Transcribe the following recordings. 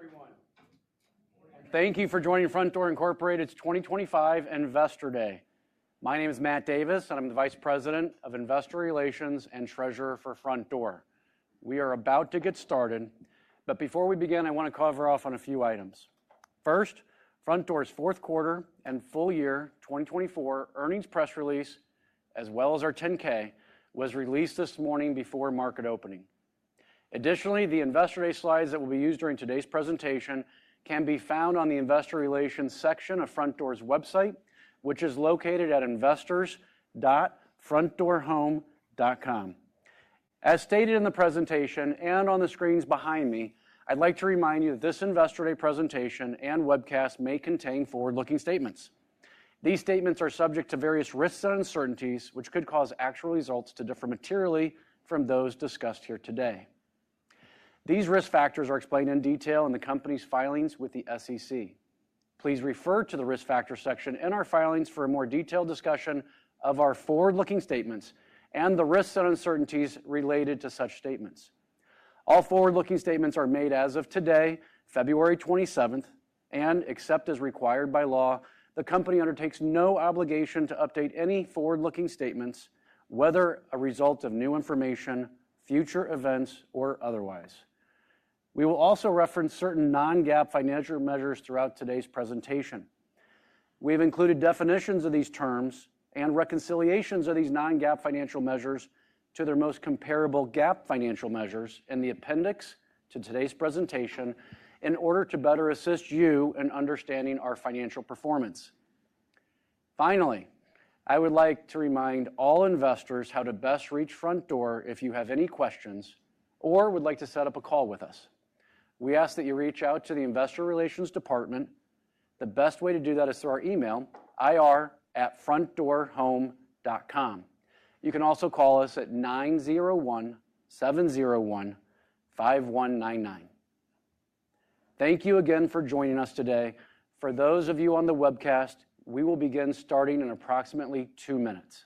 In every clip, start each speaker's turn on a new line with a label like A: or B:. A: Good morning everyone. Thank you for joining Frontdoor Inc's 2025 Investor Day. My name is Matt Davis and I'm the Vice President of Investor Relations and Treasurer for Frontdoor. We are about to get started, but before we begin I want to cover off on a few items. First, Frontdoor's Fourth Quarter and Full Year 2024 Earnings press release as well as our 10-K was released this morning before market opening. Additionally, the Investor Day slides that will be used during today's presentation can be found on the Investor Relations section of Frontdoor's website which is located at investors.frontdoorhome.com. As stated in the presentation and on the screens behind me, I'd like to remind you that this Investor Day presentation and webcast may contain forward-looking statements. These statements are subject to various risks and uncertainties which could cause actual results to differ materially from those discussed here today. These risk factors are explained in detail in the company's filings with the SEC. Please refer to the Risk Factors section in our filings for a more detailed discussion of our forward-looking statements and the risks and uncertainties related to such statements. All forward-looking statements are made as of today, February 27th, and except as required by law, the company undertakes no obligation to update any forward-looking statements whether a result of new information, future events or otherwise. We will also reference certain non-GAAP financial measures. Throughout today's presentation. We have included definitions of these terms and reconciliations of these non-GAAP financial measures to their most comparable GAAP financial measures in the appendix to today's presentation in order to better assist you in understanding our financial performance. Finally, I would like to remind all investors how to best reach Frontdoor if you have any questions or would like to set up a call with us. We ask that you reach out to the Investor Relations department. The best way to do that is through our email IR@frontdoorhome.com. You can also call us at 901-701-5199. Thank you again for joining us today. For those of you on the webcast, we will begin starting in approximately two minutes.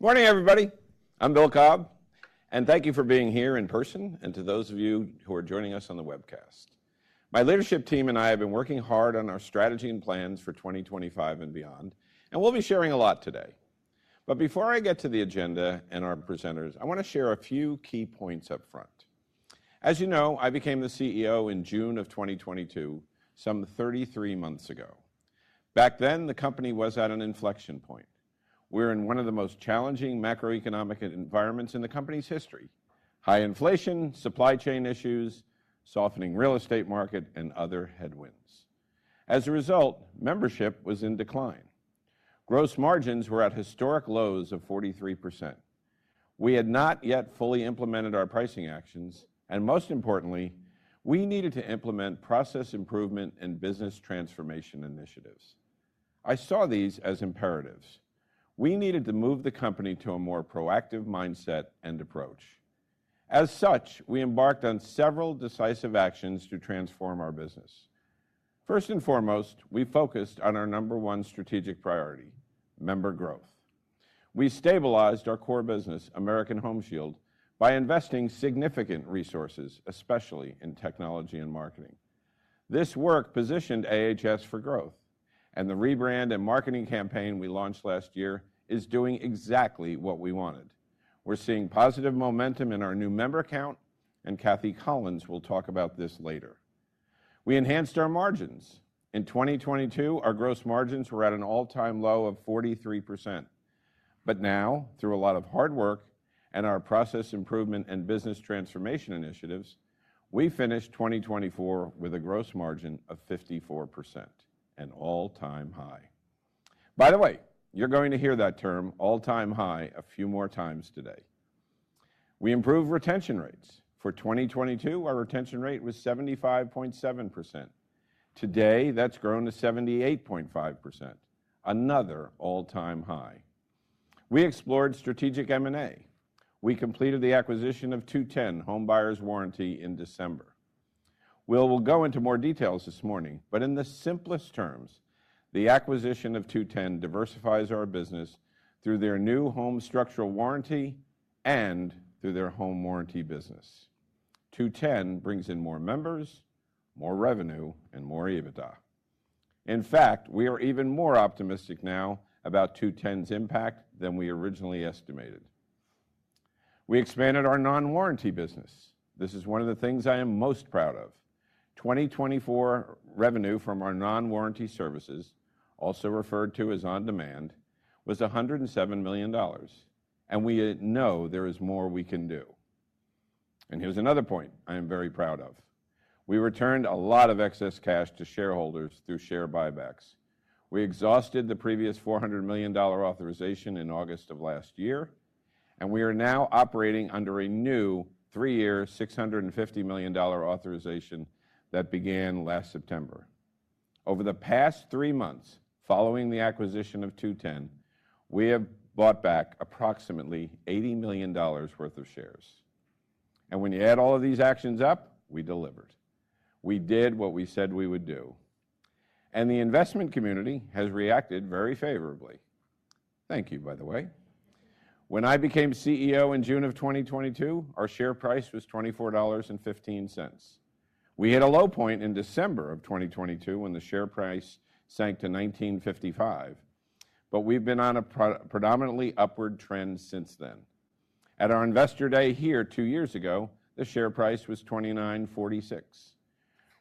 A: Feeling. Don't worry, be watchful. Mama. It's really fast. I really appreciate. Gosh, I'm having a good time. Having a good time.
B: Morning everybody. I'm Bill Cobb, and thank you for being here in person, and to those of you who are joining us on the webcast. My leadership team and I have been working hard on our strategy and plans for 2025 and beyond, and we'll be sharing a lot today. But before I get to the agenda and our presenters, I want to share a few key points up front. As you know, I became the CEO in June of 2022, some 33 months ago. Back then, the company was at an inflection point. We're in one of the most challenging macroeconomic environments in the company's history. High inflation, supply chain issues, softening real estate market and other headwinds. As a result, membership was in decline. Gross margins were at historic lows of 43%. We had not yet fully implemented our pricing actions and most importantly, we needed to implement process improvement and business transformation initiatives. I saw these as imperatives. We needed to move the company to a more proactive mindset and approach. As such, we embarked on several decisive actions to transform our business. First and foremost, we focused on our number one strategic priority, member growth. We stabilized our core business American Home Shield by investing significant resources, especially in technology and marketing. This work positioned AHS for growth and the rebrand and marketing campaign we launched last year is doing exactly what we wanted. We're seeing positive momentum in our new member count and Kathy Collins will talk about this later. We enhanced our margins. In 2022, our gross margins were at an all-time low of 43%. But now, through a lot of hard work and our process improvement and business transformation initiatives, we finished 2024 with a gross margin of 54%, an all-time high. By the way, you're going to hear that term all-time high a few more times today. We improved retention rates. For 2022, our retention rate was 75.7%. Today that's grown to 78.5%, another all-time high. We explored strategic M&A. We completed the acquisition of 2-10 Home Buyers Warranty in December. We will go into more details this morning. But in the simplest terms, the acquisition of 2-10 diversifies our business through their new Home Structural Warranty and through their home warranty business. 2-10 brings in more members, more revenue and more EBITDA. In fact, we are even more optimistic now about 2-10's impact than we originally estimated. We expanded our Non-Warranty business. This is one of the things I am most proud of. 2024 revenue from our non-warranty services, also referred to as on-demand, was $107 million, and we know there is more we can do. And here's another point I am very proud of. We returned a lot of excess cash to shareholders through share buybacks. We exhausted the previous $400 million authorization in August of last year, and we are now operating under a new three-year $650 million authorization that began last September. Over the past three months, following the acquisition of 2-10, we have bought back approximately $80 million worth of shares. And when you add all of these actions up, we delivered. We did what we said we would do, and the investment community has reacted very favorably. Thank you. By the way. When I became CEO in June of 2022, our share price was $24.15. We hit a low point in December of 2022 when the share price sank to $19.55, but we've been on a predominantly upward trend since then. At our Investor Day here two years ago, the share price was $29.46.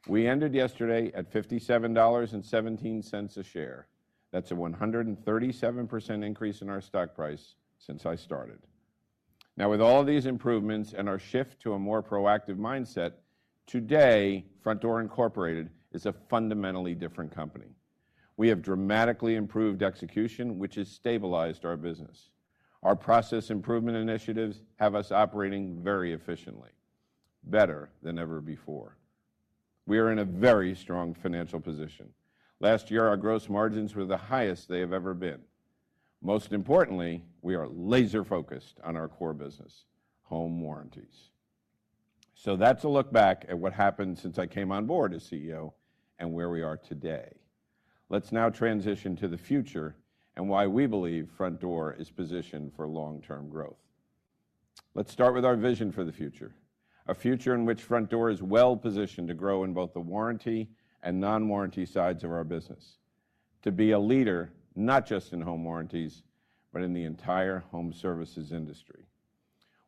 B: We ended yesterday at $57.17 a share. That's a 137% increase in our stock price since I started. Now, with all these improvements and our shift to a more proactive mindset today, Frontdoor Inc is a fundamentally different company. We have dramatically improved execution which has stabilized our business. Our process improvement initiatives have us operating very efficiently, better than ever before. We are in a very strong financial position. Last year our gross margins were the highest they have ever been. Most importantly, we are laser-focused on our core business, home warranties. So that's a look back at what happened since I came on board as CEO and where we are today. Let's now transition to the future and why we believe Frontdoor is positioned for long-term growth. Let's start with our vision for the future, a future in which Frontdoor is well positioned to grow in both the Warranty and Non-Warranty sides of our business. To be a leader not just in home warranties but in the entire home services industry.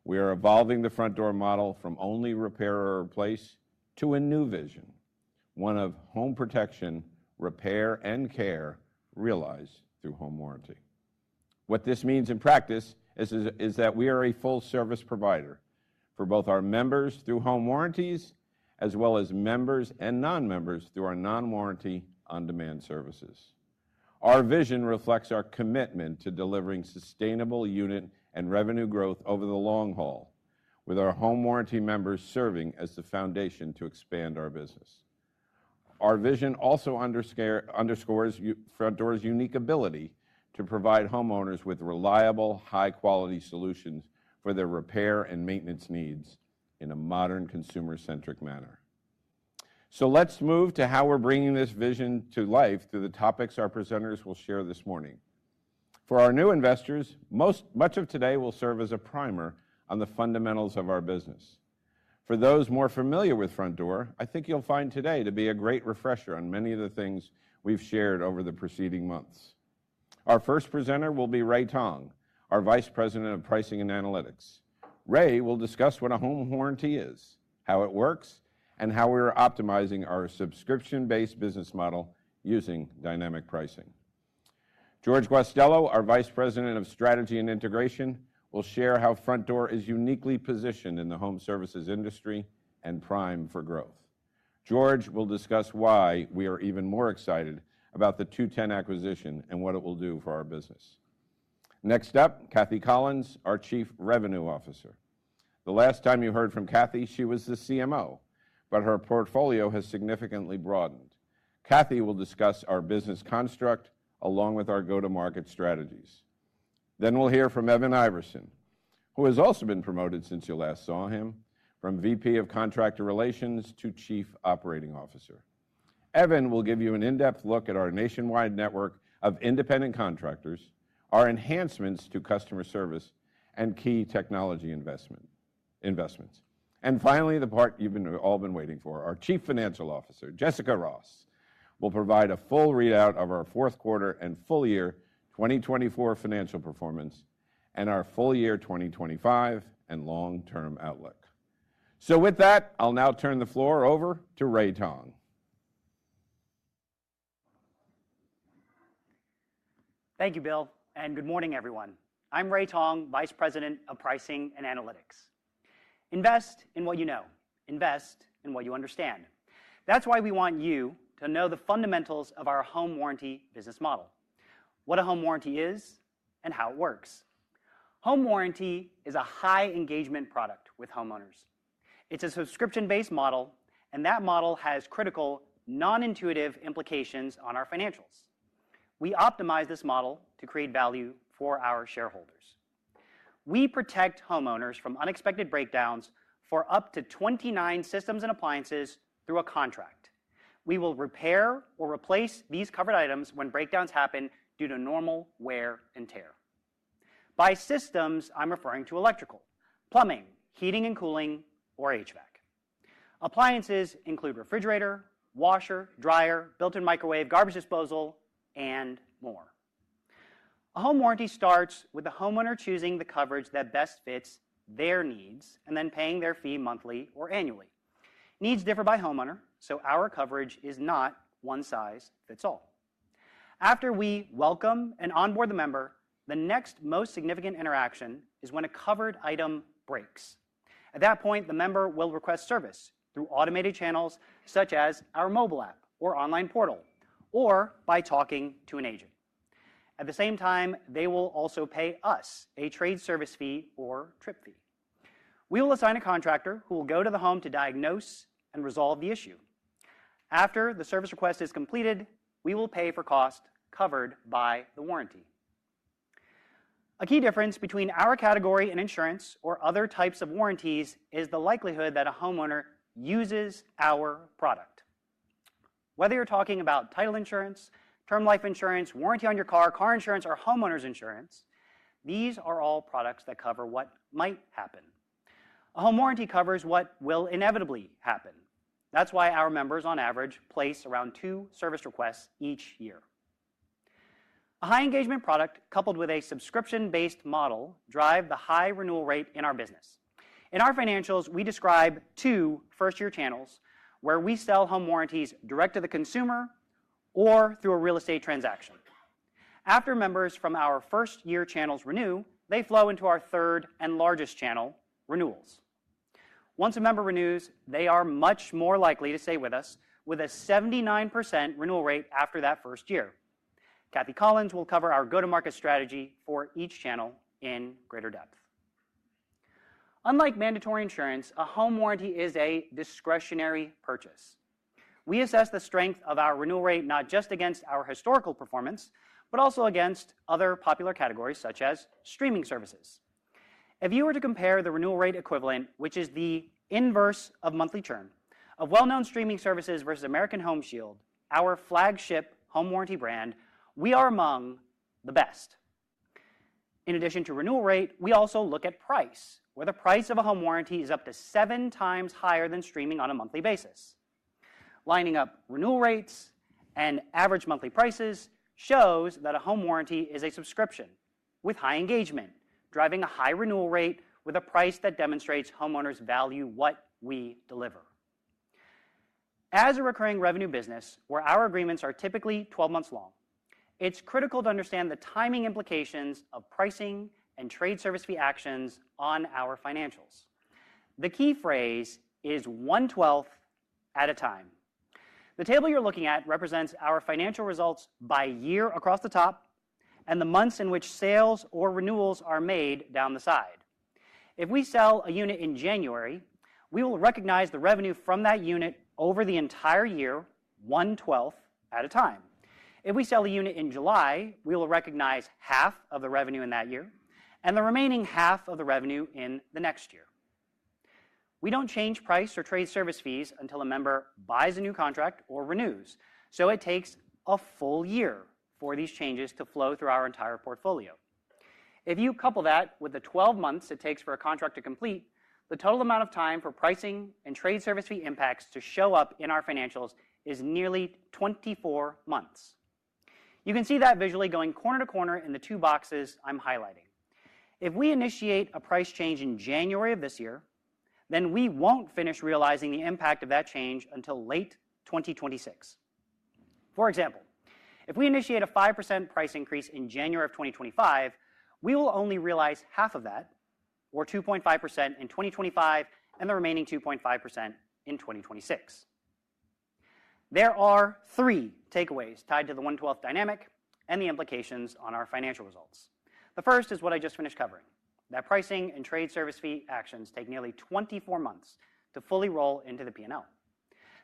B: We are evolving the Frontdoor model from only repair or replace to a new vision, one of home protection, repair and care realized through home warranty. What this means in practice is that we are a full-service provider for both our members through home warranties as well as members and non-members through our non-warranty on-demand services. Our vision reflects our commitment to delivering sustainable unit and revenue growth over the long haul with our home warranty members serving as the foundation to expand our business. Our vision also underscores Frontdoor's unique ability to provide homeowners with reliable, high-quality solutions for their repair and maintenance needs in a modern consumer-centric manner. So let's move to how we're bringing this vision to life through the topics our presenters will share this morning. For our new investors, much of today will serve as a primer on the fundamentals of our business. For those more familiar with Frontdoor, I think you'll find today to be a great refresher on many of the things we've shared over the preceding months. Our first presenter will be Ray Tong, our Vice President of Pricing and Analytics. Ray will discuss what a home warranty is, how it works, and how we are optimizing our subscription-based business model using dynamic pricing. George Guastello, our Vice President of Strategy and Integration, will share how Frontdoor is uniquely positioned in the home services industry and prime for growth. George will discuss why we are even more excited about the 2-10 acquisition and what it will do for our business. Next up, Kathy Collins, our Chief Revenue Officer. The last time you heard from Kathy, she was the CMO, but her portfolio has significantly broadened. Kathy will discuss our business construct along with our go-to-market strategies. Then we'll hear from Evan Iverson, who has also been promoted since you last saw him from VP of Contractor Relations to Chief Operating Officer. Evan will give you an in-depth look at our nationwide network of independent contractors, our enhancements to customer service and key technology investments. And finally, the part you've all been waiting for. Our Chief Financial Officer Jessica Ross will provide a full readout of our fourth quarter and full-year 2024 financial performance and our full-year 2025 and long-term outlook. So with that, I'll now turn the floor over to Ray Tong.
C: Thank you, Bill, and good morning everyone. I'm Ray Tong, Vice President of Pricing and Analytics. Invest in what you know, invest in what you understand. That's why we want you to know the fundamentals of our home warranty business model, what a home warranty is and how it works. Home warranty is a high engagement product with homeowners. It's a subscription-based model and that model has critical non-intuitive implications on our financials. We optimize this model to create value for our shareholders. We protect homeowners from unexpected breakdowns for up to 29 systems and appliances through a contract. We will repair or replace these covered items when breakdowns happen due to normal wear and tear. By systems I'm referring to electrical, plumbing, heating and cooling or HVAC. Appliances include refrigerator, washer, dryer, built-in microwave, garbage disposal and more. A home warranty starts with the homeowner choosing the coverage that best fits their needs and then paying their fee monthly or annually. Needs differ by homeowner so our coverage is not one size fits all. After we welcome and onboard the member, the next most significant interaction is when a covered item breaks. At that point, the member will request service through automated channels such as our mobile app or online portal, or by talking to an agent. At the same time, they will also pay us a trade service fee or trip fee. We will assign a contractor who will go to the home to diagnose and resolve the issue. After the service request is completed, we will pay for cost covered by the warranty. A key difference between our category and insurance or other types of warranties is the likelihood that a homeowner uses our product. Whether you're talking about title insurance, term life insurance, warranty on your car, car insurance, or homeowner's insurance, these are all products that cover what might happen. A home warranty covers what will inevitably happen. That's why our members on average place around two service requests each year. A high engagement product coupled with a subscription-based model drive the high renewal rate in our business. In our financials we describe two first-year channels where we sell home warranties direct to the consumer or through a real estate transaction. After members from our first-year channels renew, they flow into our third and largest channel, renewals. Once a member renews, they are much more likely to stay with us with a 79% renewal rate after that first year. Kathy Collins will cover our go-to-market strategy for each channel in greater depth. Unlike mandatory insurance, a home warranty is a discretionary purchase. We assess the strength of our renewal rate not just against our historical performance, but also against other popular categories such as streaming services. If you were to compare the renewal rate equivalent, which is the inverse of monthly churn of well-known streaming services versus American Home Shield, our flagship home warranty brand, we are among the best. In addition to renewal rate, we also look at price where the price of a home warranty is up to 7x higher than streaming on a monthly basis. Lining up renewal rates and average monthly prices shows that a home warranty is a subscription with high engagement, driving a high renewal rate with a price that demonstrates homeowners value what we deliver. As a recurring revenue business where our agreements are typically 12 months long, it's critical to understand the timing implications of pricing and trade service reactions on our financials. The key phrase is one-twelfth at a time. The table you're looking at represents our financial results by year across the top and the months in which sales or renewals are made down the side. If we sell a unit in January, we will recognize the revenue from that unit over the entire year one-twelfth at a time. If we sell a unit in July, we will recognize half of the revenue in that year and the remaining half of the revenue in the next year. We don't change price or trade service fees until a member buys a new contract or renews. So it takes a full year for these changes to flow through our entire portfolio. If you couple that with the 12 months it takes for a contract to complete, the total amount of time for pricing and trade service fee impacts to show up in our financials is nearly 24 months. You can see that visually going corner to corner in the two boxes I'm highlighting. If we initiate a price change in January of this year, then we won't finish realizing the impact of that change until late 2026. For example, if we initiate a 5% price increase in January of 2025, we will only realize half of that or 2.5% in 2025 and the remaining 2.5% in 2026. There are three takeaways tied to the one-twelfth dynamic and the implications on our financial results. The first is what I just finished covering, that pricing and trade service fee actions take nearly 24 months to fully roll into the P&L.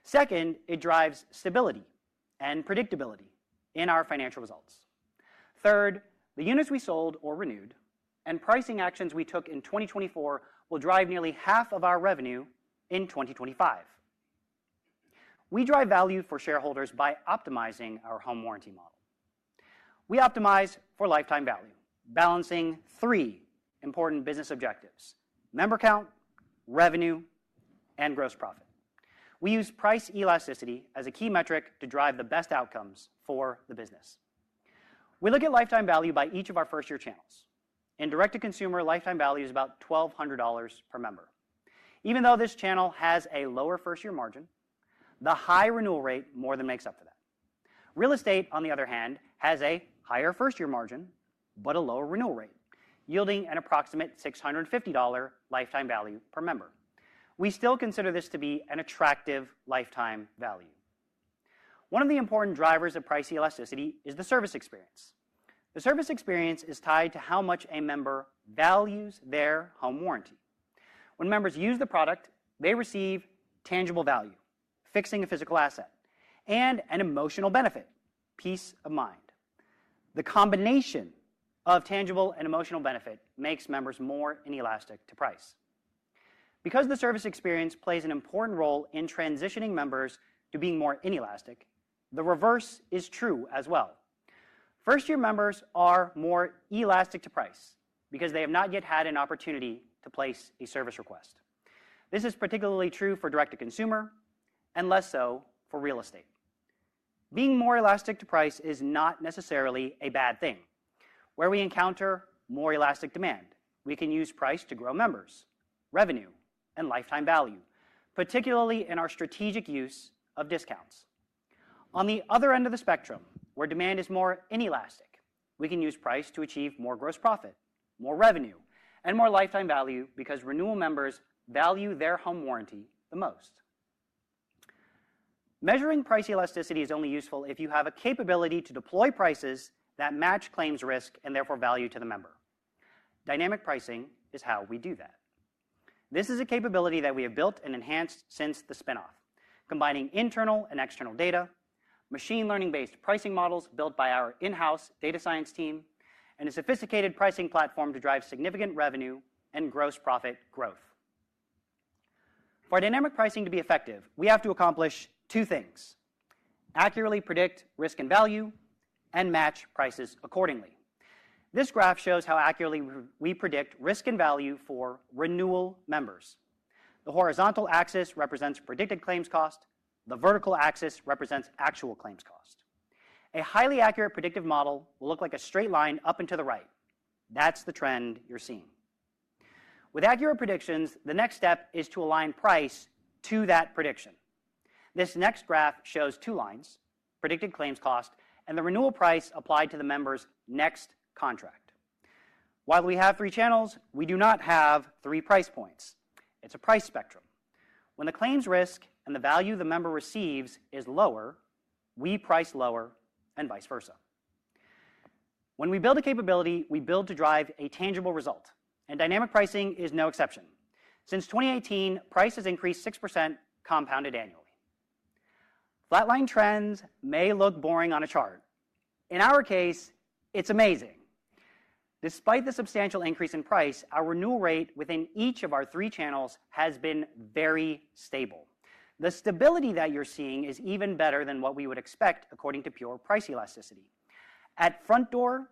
C: Second, it drives stability and predictability in our financial results. Third, the units we sold or renewed and pricing actions we took in 2024 will drive nearly half of our revenue in 2025. We drive value for shareholders by optimizing our home warranty model. We optimize for lifetime value, balancing three important business objectives, member count, revenue and gross profit. We use price elasticity as a key metric to drive the best outcomes for the business. We look at lifetime value by each of our first-year channels. In direct-to-consumer lifetime value is about $1,200 per member. Even though this channel has a lower first-year margin, the high renewal rate more than makes up for that. Real estate, on the other hand, has a higher first-year margin but a lower renewal rate, yielding an approximate $650 lifetime value per member. We still consider this to be an attractive lifetime value. One of the important drivers of price elasticity is the service experience. The service experience is tied to how much a member values their home warranty. When members use the product, they receive tangible value, fixing a physical asset and an emotional benefit. Peace of mind, the combination of tangible and emotional benefit makes members more inelastic to price. Because the service experience plays an important role in transitioning members to being more inelastic, the reverse is true as well. First year members are more elastic to price because they have not yet had an opportunity to place a service request. This is particularly true for direct-to-consumer and less so for real estate. Being more elastic to price is not necessarily a bad thing. Where we encounter more elastic demand, we can use price to grow members revenue and lifetime value, particularly in our strategic use of discounts. On the other end of the spectrum, where demand is more inelastic, we can use price to achieve more gross profit, more revenue and more lifetime value because renewal members value their home warranty the most. Measuring price elasticity is only useful if you have a capability to deploy prices that match claims risk and therefore value to the member. Dynamic pricing is how we do that. This is a capability that we have built and enhanced since the spinoff, combining internal and external data, machine learning-based pricing models built by our in-house data science team and a sophisticated pricing platform to drive significant revenue and gross profit growth. For dynamic pricing to be effective, we have to accomplish two: accurately predict risk and value and match prices accordingly. This graph shows how accurately we predict risk and value for renewal members. The horizontal axis represents predicted claims cost. The vertical axis represents actual claims cost. A highly accurate predictive model will look like a straight line up and to the right. That's the trend you're seeing. With accurate predictions, the next step is to align price to that prediction. This next graph shows two lines, predicted claims cost and the renewal price applied to the member's next contract. While we have three channels, we do not have three price points. It's a price spectrum. When the claims risk and the value the member receives is lower, we price lower and vice versa. When we build a capability, we build to drive a tangible result. Dynamic pricing is no exception. Since 2018, price has increased 6% compounded annually. Flatline trends may look boring on a chart. In our case it's amazing. Despite the substantial increase in price, our renewal rate within each of our three channels has been very stable. The stability that you're seeing is even better than what we would expect according to pure price elasticity. At Frontdoor,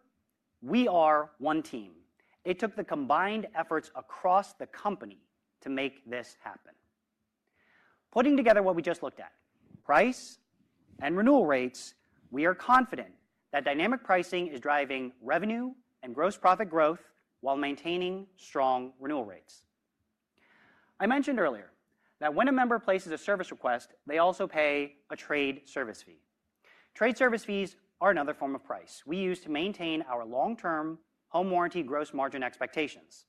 C: we are one team. It took the combined efforts across the company to make this happen. Putting together what we just looked at, price and renewal rates, we are confident that dynamic pricing is driving revenue and gross profit growth while maintaining strong renewal rates. I mentioned earlier that when a member places a service request, they also pay a trade service fee. Trade service fees are another form of price we use to maintain our long-term home warranty gross margin expectations.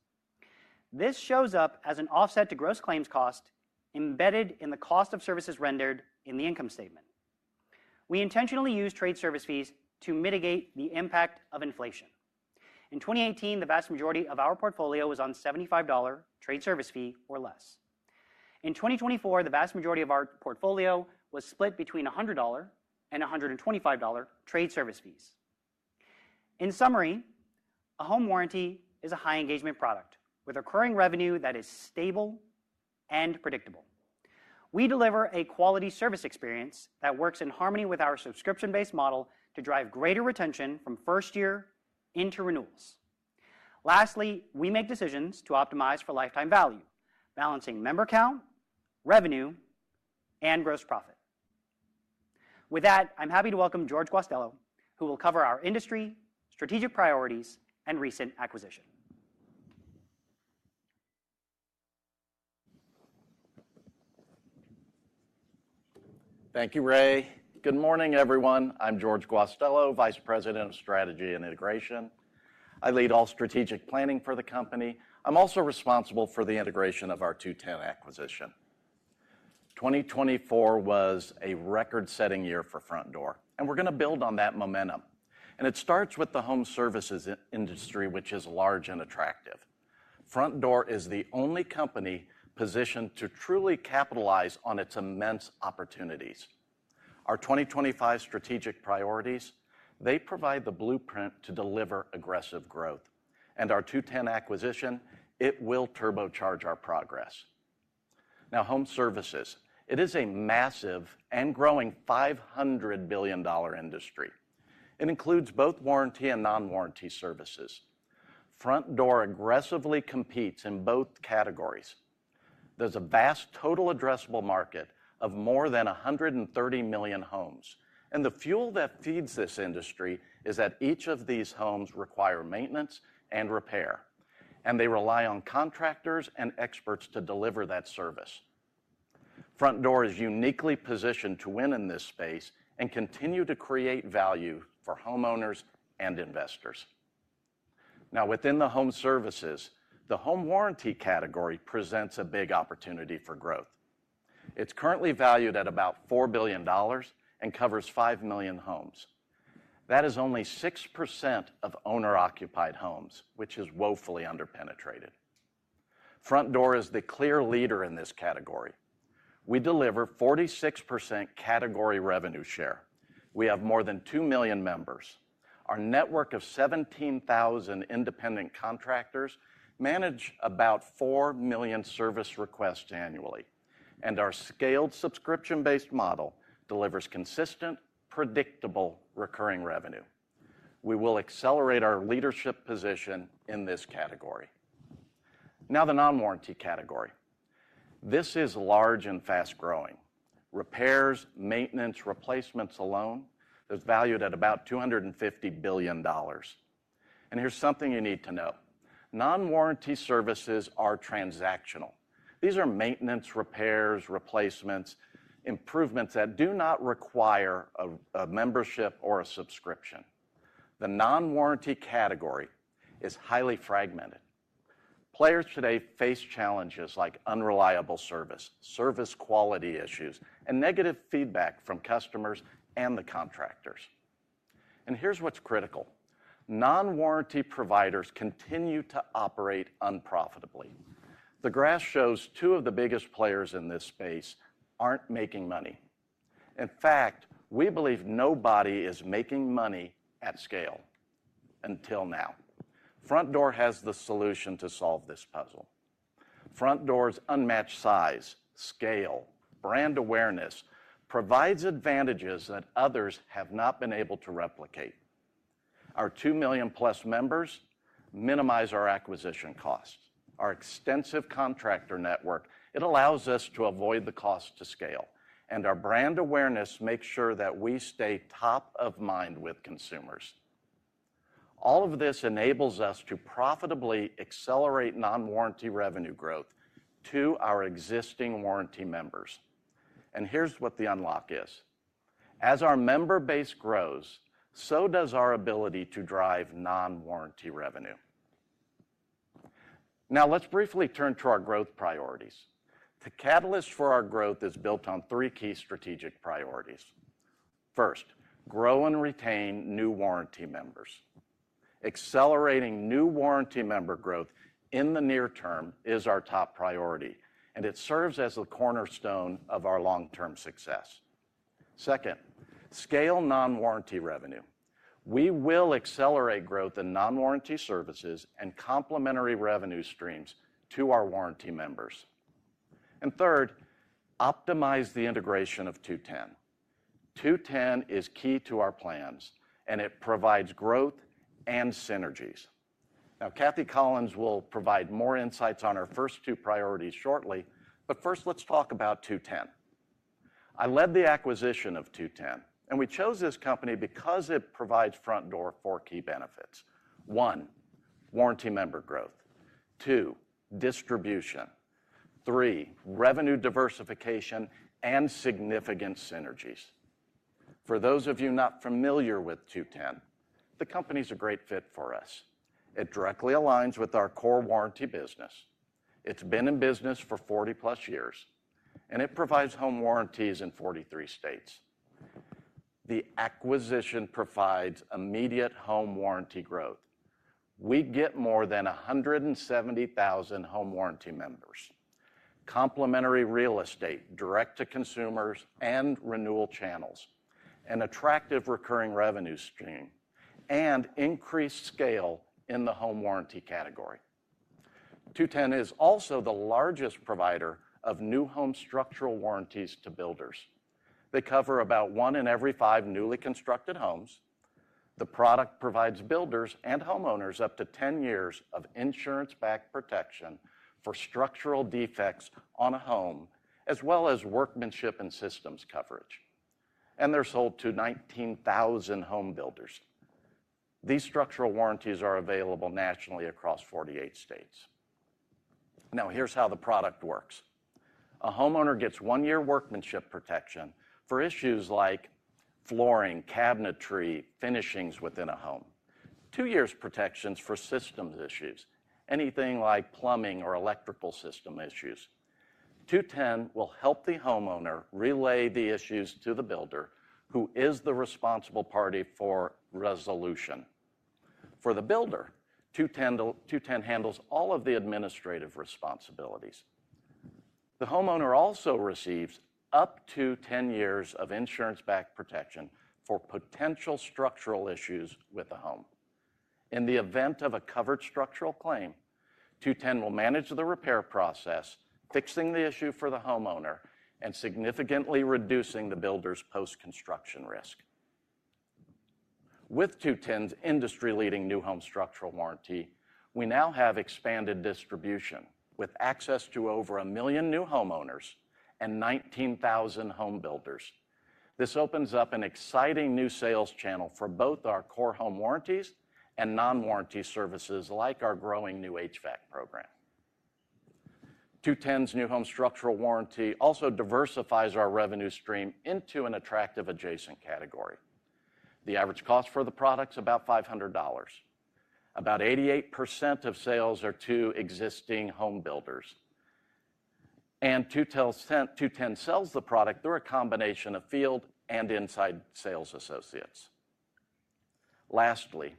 C: This shows up as an offset to gross claims cost embedded in the cost of services rendered in the income statement. We intentionally use trade service fees to mitigate the impact of inflation. In 2018, the vast majority of our portfolio was on $75 trade service fee or less. In 2024, the vast majority of our portfolio was split between $100 and $125 trade service fees. In summary, a home warranty is a high engagement product with recurring revenue that is stable and predictable. We deliver a quality service experience that works in harmony with our subscription-based model to drive greater retention from first year into renewals. Lastly, we make decisions to optimize for lifetime value balancing member count, revenue, and gross profit. With that, I'm happy to welcome George Guastello who will cover our industry strategic priorities and recent acquisition.
D: Thank you, Ray. Good morning, everyone. I'm George Guastello, Vice President of Strategy and Integration. I lead all strategic planning for the company. I'm also responsible for the integration of our 2-10 acquisition. 2024 was a record-setting year for Frontdoor, and we're going to build on that momentum, and it starts with the home services industry, which is large and attractive. Frontdoor is the only company positioned to truly capitalize on its immense opportunities. Our 2025 strategic priorities, and they provide the blueprint to deliver aggressive growth. And our 2-10 acquisition, it will turbocharge our progress now. Home Services, it is a massive and growing $500 billion industry. It includes both warranty and non-warranty services. Frontdoor aggressively competes in both categories. There's a vast total addressable market of more than 130 million homes and the fuel that feeds this industry is that each of these homes require maintenance and repair and they rely on contractors and experts to deliver that service. Frontdoor is uniquely positioned to win in this space and continue to create value for homeowners and investors. Now within the Home Services, the home warranty category presents a big opportunity for growth. It's currently valued at about $4 billion and covers five million homes. That is only 6% of owner-occupied homes which is woefully underpenetrated. Frontdoor is the clear leader in this category. We deliver 46% category revenue share. We have more than 2 million members. Our network of 17,000 independent contractors manage about four million service requests annually, and our scaled subscription-based model delivers consistent, predictable recurring revenue. We will accelerate our leadership position in this category. Now the non-warranty category, this is large and fast growing. Repairs, maintenance, replacements alone is valued at about $250 billion. And here's something you need to know. Non-warranty services are transactional. These are maintenance, repairs, replacements, improvements that do not require a membership or a subscription. The non-warranty category is highly fragmented. Players today face challenges like unreliable service, service quality issues and negative feedback from customers and the contractors. And here's what's critical. Non-warranty providers continue to operate unprofitably. The graph shows two of the biggest players in this space aren't making money. In fact, we believe nobody is making money at scale until now. Frontdoor has the solution to solve this puzzle. Frontdoor's unmatched size, scale, brand awareness provides advantages that others have not been able to replicate. Our 2 million+ members minimize our acquisition costs. Our extensive contractor network, it allows us to avoid the cost to scale and our brand awareness makes sure that we stay top of mind with consumers. All of this enables us to profitably accelerate non-warranty revenue growth to our existing warranty members. And here's what the unlock is. As our member base grows, so does our ability to drive non-warranty revenue. Now let's briefly turn to our growth priorities. The catalyst for our growth is built on three key strategic priorities. First, grow and retain new warranty members. Accelerating new warranty member growth in the near term is our top priority and it serves as a cornerstone of our long-term success. Second, scale non-warranty revenue. We will accelerate growth in non-warranty services and complementary revenue streams to our warranty members. And third, optimize the integration of 2-10. 2-10 is key to our plans and it provides growth and synergies. Now Kathy Collins will provide more insights on our first two priorities shortly. But first, let's talk about 2-10. I led the acquisition of 2-10 and we chose this company because it provides Frontdoor four key benefits: one, warranty member growth, two, distribution, three, revenue diversification, and significant synergies. For those of you not familiar with 2-10, the company is a great fit for us. It directly aligns with our core warranty business. It's been in business for 40+ years and it provides home warranties in 43 states. The acquisition provides immediate home warranty growth. We get more than 170,000 home warranty members, complementary real estate, direct-to-consumers, and renewal channels, an attractive recurring revenue stream, and increased scale in the home warranty category. 2-10 is also the largest provider of new home structural warranties to builders. They cover about one in every five newly constructed homes. The product provides builders and homeowners up to 10 years of insurance-backed protection for structural defects on a home as well as workmanship and systems coverage, and they're sold to 19,000 home builders. These structural warranties are available nationally across 48 states. Now here's how the product works. A homeowner gets one year workmanship protection for issues like flooring, cabinetry, finishings within a home. Two years protection for systems issues, anything like plumbing or electrical system issues. 2-10 will help the homeowner relay the issues to the builder who is the responsible party for resolution. For the builder, 2-10 handles all of the administrative responsibilities. The homeowner also receives up to 10 years of insurance-backed protection for potential structural issues with the home. In the event of a covered structural claim, 2-10 will manage the repair process, fixing the issue for the homeowner and significantly reducing the builder's post construction risk. With 2-10's industry-leading new Home Structural Warranty, we now have expanded distribution with access to over a million new homeowners and 19,000 home builders. This opens up an exciting new sales channel for both our core home warranties and non-warranty services like our growing new HVAC program. 2-10's new home structural warranty also diversifies our revenue stream into an attractive adjacent category. The average cost for the product is about $500. About 88% of sales are to existing home builders. 2-10 sells the product through a combination of field and inside sales associates. Lastly,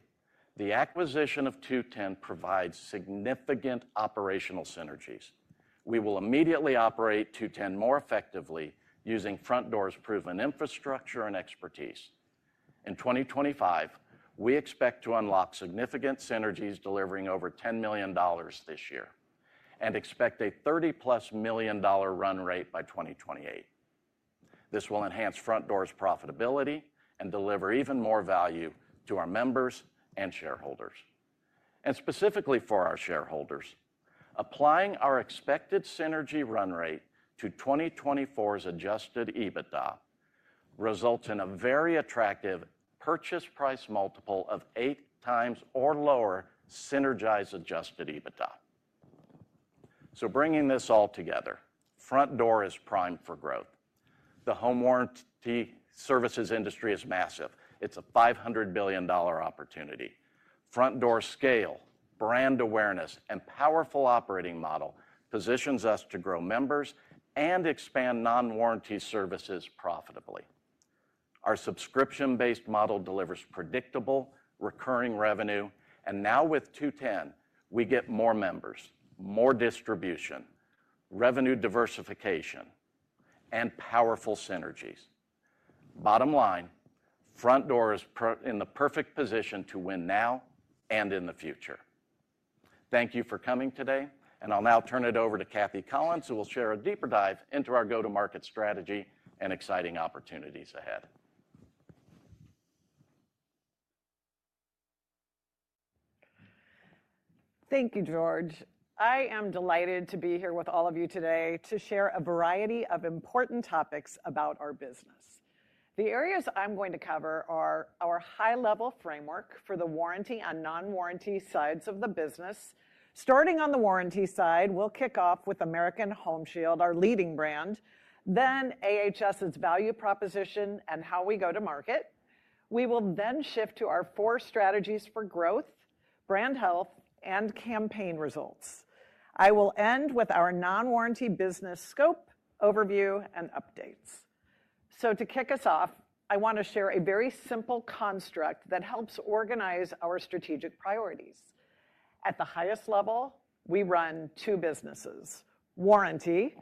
D: the acquisition of 2-10 provides significant operational synergies. We will immediately operate 2-10 more effectively using Frontdoor's proven infrastructure and expertise. In 2025 we expect to unlock significant synergies delivering over $10 million this year and expect a $30 million+ run rate by 2028. This will enhance Frontdoor's profitability and deliver even more value to our members and shareholders and specifically for our shareholders. Applying our expected synergy run rate to 2024's Adjusted EBITDA results in a very attractive purchase price multiple of 8x or lower synergized Adjusted EBITDA. So bringing this all together, Frontdoor is primed for growth. The home warranty services industry is massive. It's a $500 billion opportunity. Frontdoor scale, brand awareness and powerful operating model positions us to grow members and expand non-warranty services profitably. Our subscription-based model delivers predictable recurring revenue, and now with 2-10 we get more members, more distribution, revenue diversification, and powerful synergies. Bottom line, Frontdoor is in the perfect position to win now and in the future. Thank you for coming today, and I'll now turn it over to Kathy Collins who will share a deeper dive into our go-to-market strategy and exciting opportunities ahead.
E: Thank you George. I am delighted to be here with all of you today to share a variety of important topics about our business. The areas I'm going to cover are our high-level framework for the Warranty and Non-Warranty sides of the business. Starting on the warranty side we'll kick off with American Home Shield, our leading brand, then AHS's value proposition and how we go-to-market. We will then shift to our four strategies for growth, brand health and campaign results. I will end with our Non-Warranty business scope overview and updates. So to kick us off I want to share a very simple construct that helps organize our strategic priorities. At the highest level we run two businesses, Warranty,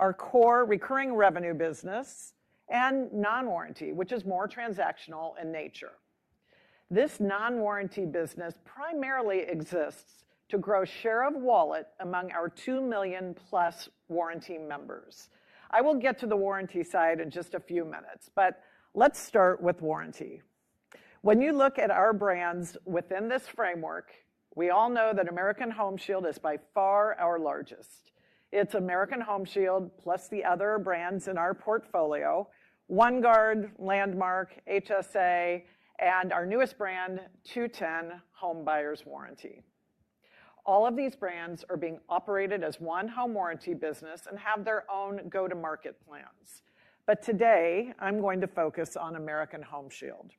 E: our core recurring revenue business and Non-Warranty, which is more transactional in nature. This Non-Warranty business primarily exists to grow share of wallet among our 2 million+ Warranty members. I will get to the Warranty side in just a few minutes, but let's start with Warranty. When you look at our brands within this framework, we all know that American Home Shield is by far our largest. It's American Home Shield plus the other brands in our portfolio, OneGuard, Landmark, HSA, and our newest brand, 2-10 Home Buyers Warranty. All of these brands are being operated as one home warranty business and have their own go-to-market plans. But today I'm going to focus on American Home Shield.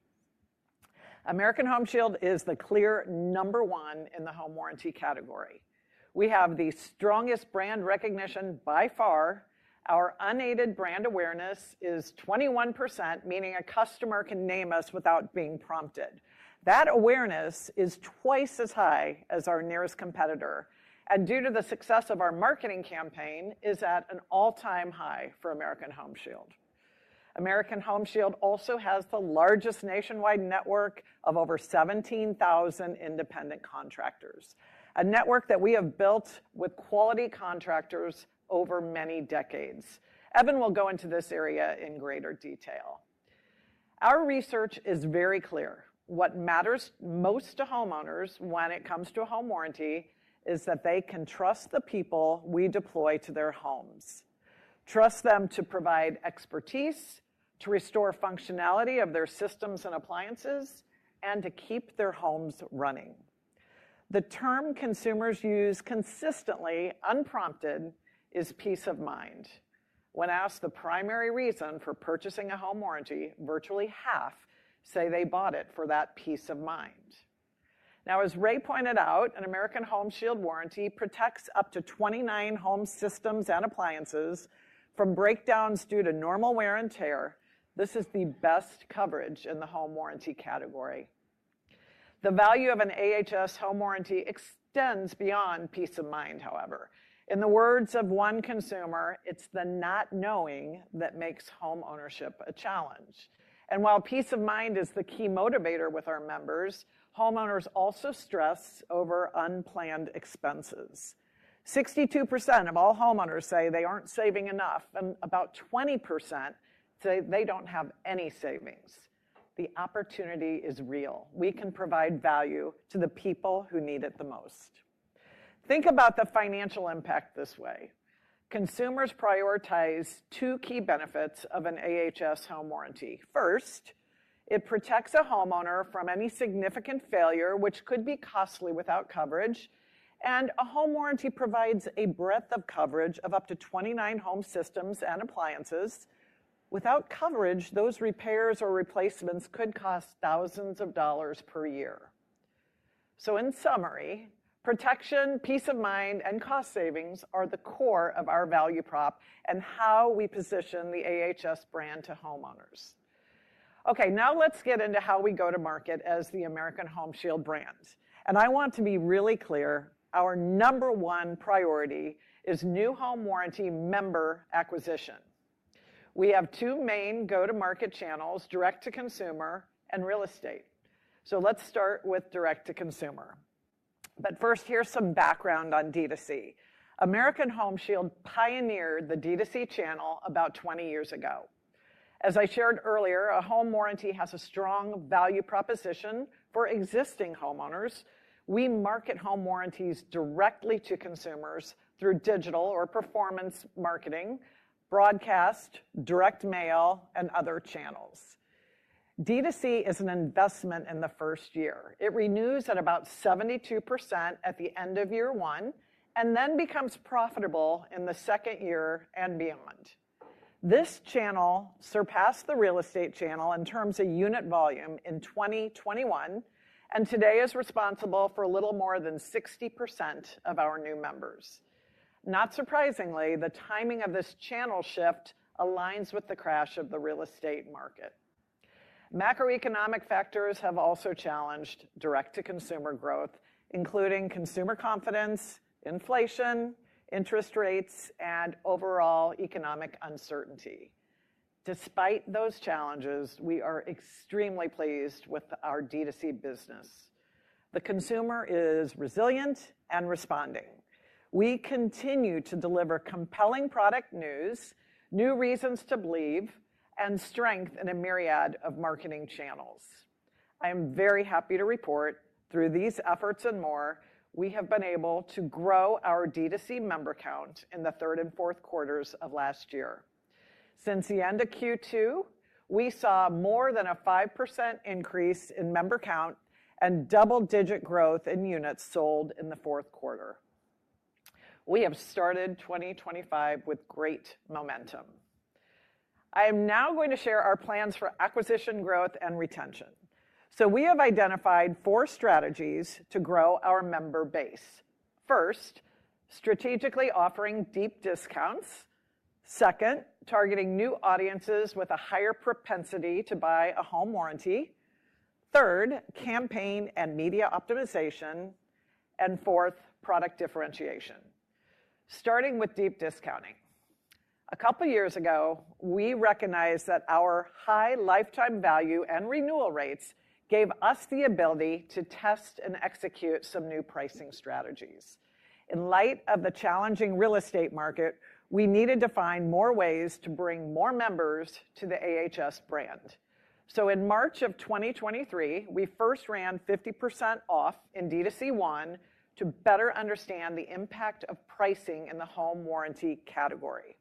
E: American Home Shield is the clear number one in the home warranty category. We have the strongest brand recognition by far. Our unaided brand awareness is 21%, meaning a customer can name us without being prompted. That awareness is twice as high as our nearest competitor, and due to the success of our marketing campaign, is at an all-time high for American Home Shield. American Home Shield also has the largest nationwide network of over 17,000 independent contractors, a network that we have built with quality contractors over many decades. Evan will go into this area in greater detail. Our research is very clear. What matters most to homeowners when it comes to a home warranty is that they can trust the people we deploy to their homes, trust them to provide expertise to restore functionality of their systems and appliances and to keep their homes running. The term consumers use consistently unprompted is peace of mind. When asked the primary reason for purchasing a home warranty, virtually half say they bought it for that peace of mind. Now as Ray pointed out, an American Home Shield warranty protects up to 29 home systems and appliances from breakdowns due to normal wear and tear. This is the best coverage in the home warranty category. The value of an AHS Home Warranty extends beyond peace of mind. However, in the words of one consumer, it's the not knowing that makes homeownership a challenge, and while peace of mind is the key motivator with our members, homeowners also stress over unplanned expenses. 62% of all homeowners say they aren't saving enough and about 20% say they don't have any savings. The opportunity is real. We can provide value to the people who need it the most. Think about the financial impact this way, consumers prioritize two key benefits of an AHS Home Warranty. First, it protects a homeowner from any significant failure which could be costly without coverage. And a home warranty provides a breadth of coverage of up to 29 home systems and appliances. Without coverage, those repairs or replacements could cost thousands of dollars per year. So in summary, protection, peace of mind and cost savings are the core of our value prop and how we position the AHS brand to homeowners. Okay. Now let's get into how we go-to-market as the American Home Shield brand. And I want to be really clear. Our number one priority is new home warranty member acquisition. We have two main go-to-market channels, direct-to-consumer and real estate. So let's start with direct-to-consumer. But first, here's some background on D2C. American Home Shield pioneered the D2C channel about 20 years ago. As I shared earlier, a home warranty has a strong value proposition for existing homeowners. We market home warranties directly to consumers through digital or performance marketing, broadcast, direct mail and other channels. D2C is an investment in the first year. It renews at about 72% at the end of year one and then becomes profitable in the second year and beyond. This channel surpassed the real estate channel in terms of unit volume in 2021 and today is responsible for a little more than 60% of our new members. Not surprisingly, the timing of this channel shift aligns with the crash of the real estate market. Macroeconomic factors have also challenged direct-to-consumer growth, including consumer confidence, inflation, interest rates and overall economic uncertainty. Despite those challenges, we are extremely pleased with our D2C business. The consumer is resilient and responding. We continue to deliver compelling product news, new reasons to believe, and strength in a myriad of marketing channels. I am very happy to report through these efforts and more, we have been able to grow our D2C member count in the third and fourth quarters of last year. Since the end of Q2, we saw more than a 5% increase in member count and double-digit growth in units sold in the fourth quarter. We have started 2025 with great momentum. I am now going to share our plans for acquisition, growth and retention. We have identified four strategies to grow our member base. First, strategically offering deep discounts. Second, targeting new audiences with a higher propensity to buy a home warranty. Third, campaign and media optimization. And fourth, product differentiation. Starting with deep discounting. A couple years ago, we recognized that our high lifetime value and renewal rates gave us the ability to test and execute some new pricing strategies. In light of the challenging real estate market, we needed to find more ways to bring more members to the AHS brand. So, in March of 2023 we first ran 50% off in D2C to better understand the impact of pricing in the home warranty category.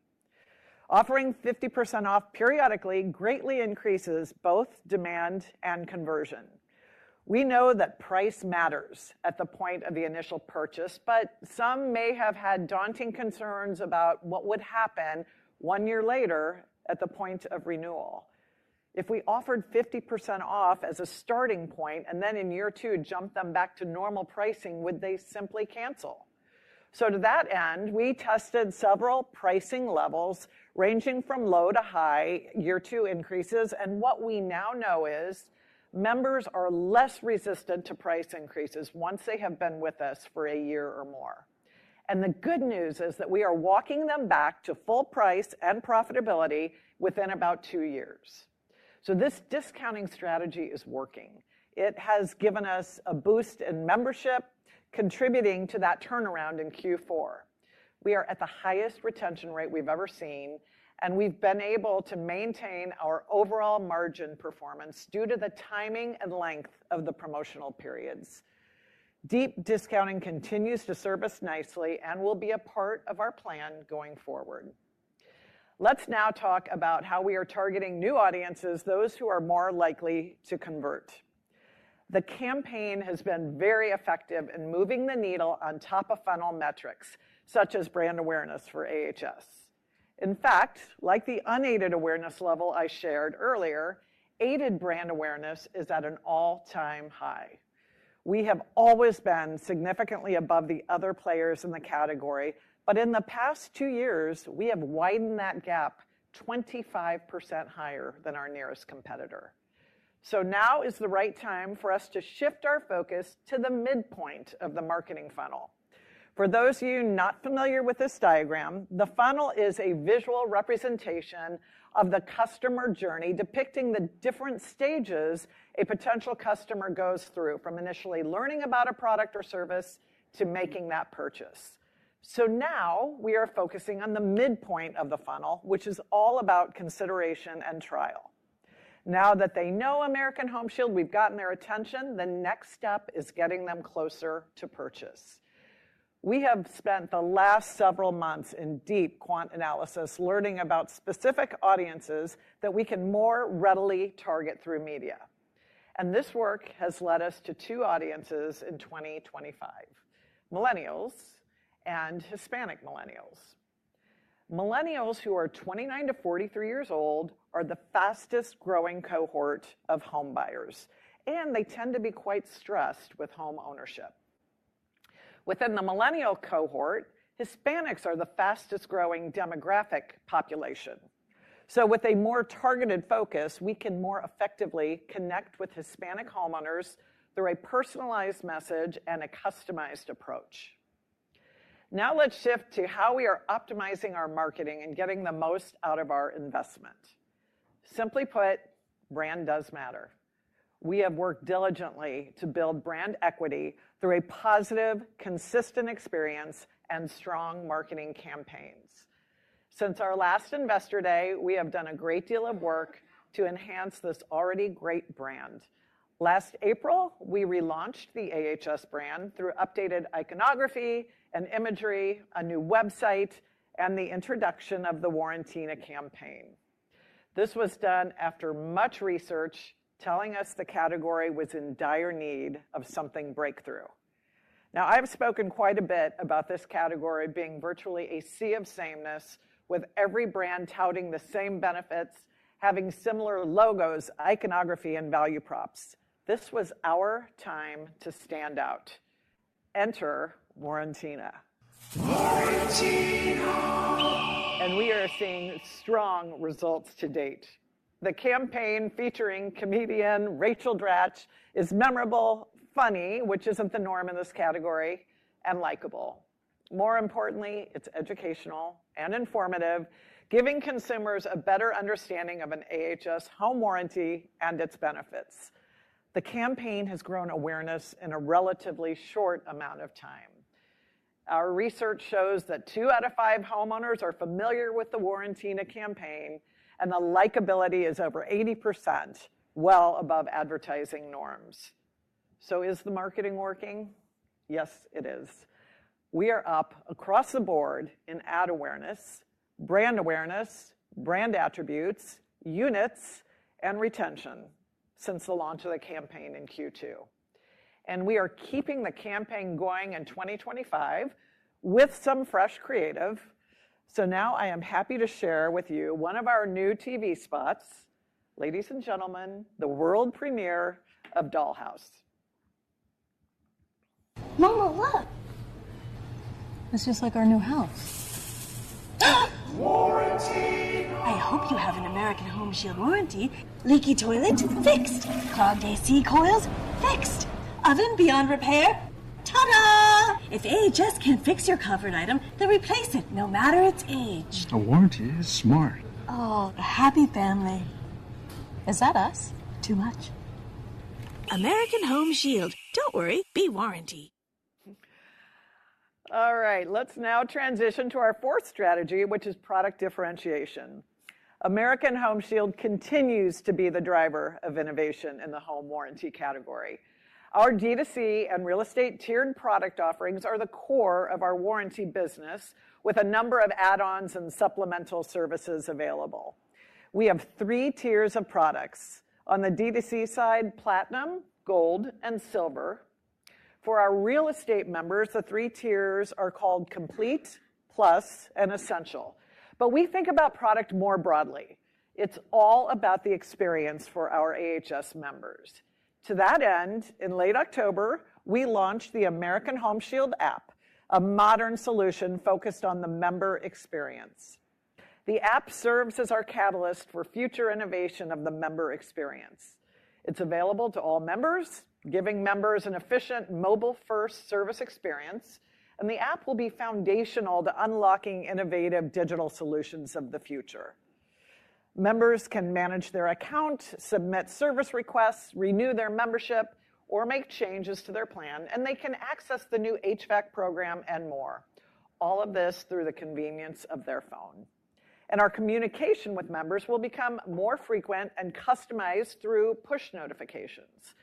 E: Offering 50% off periodically greatly increases both demand and conversion. We know that price matters at the point of the initial purchase, but some may have had daunting concerns about what would happen one year later at the point of renewal. If we offered 50% off as a starting point and then in year two jumped them back to normal pricing, would they simply cancel? So, to that end, we tested several pricing levels ranging from low to high. Year two increases, and what we now know is members are less resistant to price increases once they have been with us for a year or more. And the good news is that we are walking them back to full price and profitability within about two years. So this discounting strategy is working. It has given us a boost in membership contributing to that turnaround in Q4. We are at the highest retention rate we've ever seen, and we've been able to maintain our overall margin performance due to the timing and length of the promotional periods. Deep discounting continues to serve us nicely and will be a part of our plan going forward. Let's now talk about how we are targeting new audiences, those who are more likely to convert. The campaign has been very effective in moving the needle on top-of-funnel metrics such as brand awareness for AHS. In fact, like the unaided awareness level I shared earlier, aided brand awareness is at an all-time high. We have always been significantly above the other players in the category, but in the past two years we have widened that gap 25% higher than our nearest competitor. So now is the right time for us to shift our focus to the midpoint of the marketing funnel. For those of you not familiar with this diagram, the funnel is a visual representation of the customer journey, depicting the different stages a potential customer goes through, from initially learning about a product or service to making that purchase. So now we are focusing on the midpoint of the funnel, which is all about consideration and trial. Now that they know American Home Shield, we've gotten their attention. The next step is getting them closer to purchase. We have spent the last several months in deep quant analysis learning about specific audiences and that we can more readily target through media. And this work has led us to two audiences in 2025, Millennials and Hispanic Millennials. Millennials, who are 29-43 years old, are the fastest growing cohort of homebuyers and they tend to be quite stressed with home ownership. Within the Millennial cohort, Hispanics are the fastest growing demographic population. So with a more targeted focus, we can more effectively connect with Hispanic homeowners through a personalized message and a customized approach. Now let's shift to how we are optimizing our marketing and getting the most out of our investment. Simply put, brand does matter. We have worked diligently to build brand equity through a positive, consistent experience and strong marketing campaigns. Since our last Investor Day, we have done a great deal of work to enhance this already great brand. Last April we relaunched the AHS brand through updated iconography and imagery, a new website and the introduction of the Warrantina campaign. This was done after much research telling us the category was in dire need of something breakthrough. Now, I've spoken quite a bit about this category being virtually a sea of sameness with every brand touting the same benefits, having similar logos, iconography and value props. This was our time to stand out. Enter Warrentina. We are seeing strong results to date. The campaign featuring comedian Rachel Dratch is memorable, funny, which isn't the norm in this category, and likable. More importantly, it's educational and informative, giving consumers a better understanding of an AHS Home Warranty and its benefits. The campaign has grown awareness in a relatively short amount of time. Our research shows that two out of five homeowners are familiar with the Warrantina campaign and the likability is over 80%, well above advertising norms. Is the marketing working? Yes, it is. We are up across the board in ad awareness, brand awareness, brand attributes, units and retention since the launch of the campaign in Q2. We are keeping the campaign going in 2025 with some fresh creative. Now I am happy to share with you one of our new TV spots. Ladies and gentlemen, the world premiere of Dollhouse. Momo, look, this is like our new house. Warrantina. I hope you have an American Home Shield warranty. Leaky toilet, fixed. Clogged AC coils, fixed. Oven beyond repair? Ta-da. If AHS can't fix your covered item, they'll replace it no matter its age. A warranty is smart. Oh happy family. Is that us? Too much. American Home Shield. Don't worry, be warranty. All right, let's now transition to our fourth strategy which is product differentiation. American Home Shield continues to be the driver of innovation in the home warranty category. Our D2C and real estate tiered product offerings are the core of our Warranty business with a number of add-ons and supplemental services available. We have three tiers of products. On the D2C side, Platinum, Gold and Silver. For our real estate members, the three tiers are called Complete, Plus and Essential. But we think about product more broadly. It's all about the experience for our AHS members. To that end, in late October we launched the American Home Shield app, a modern solution focused on the member experience. The app serves as our catalyst for future innovation of the member experience. It's available to all members, giving members an efficient, mobile-first service experience and the app will be foundational to unlocking innovative digital solutions of the future. Members can manage their account, submit service requests, renew their membership, or make changes to their plan, and they can access the new HVAC program and more. All of this through the convenience of their phone. And our communication with members will become more frequent and customized through push notifications.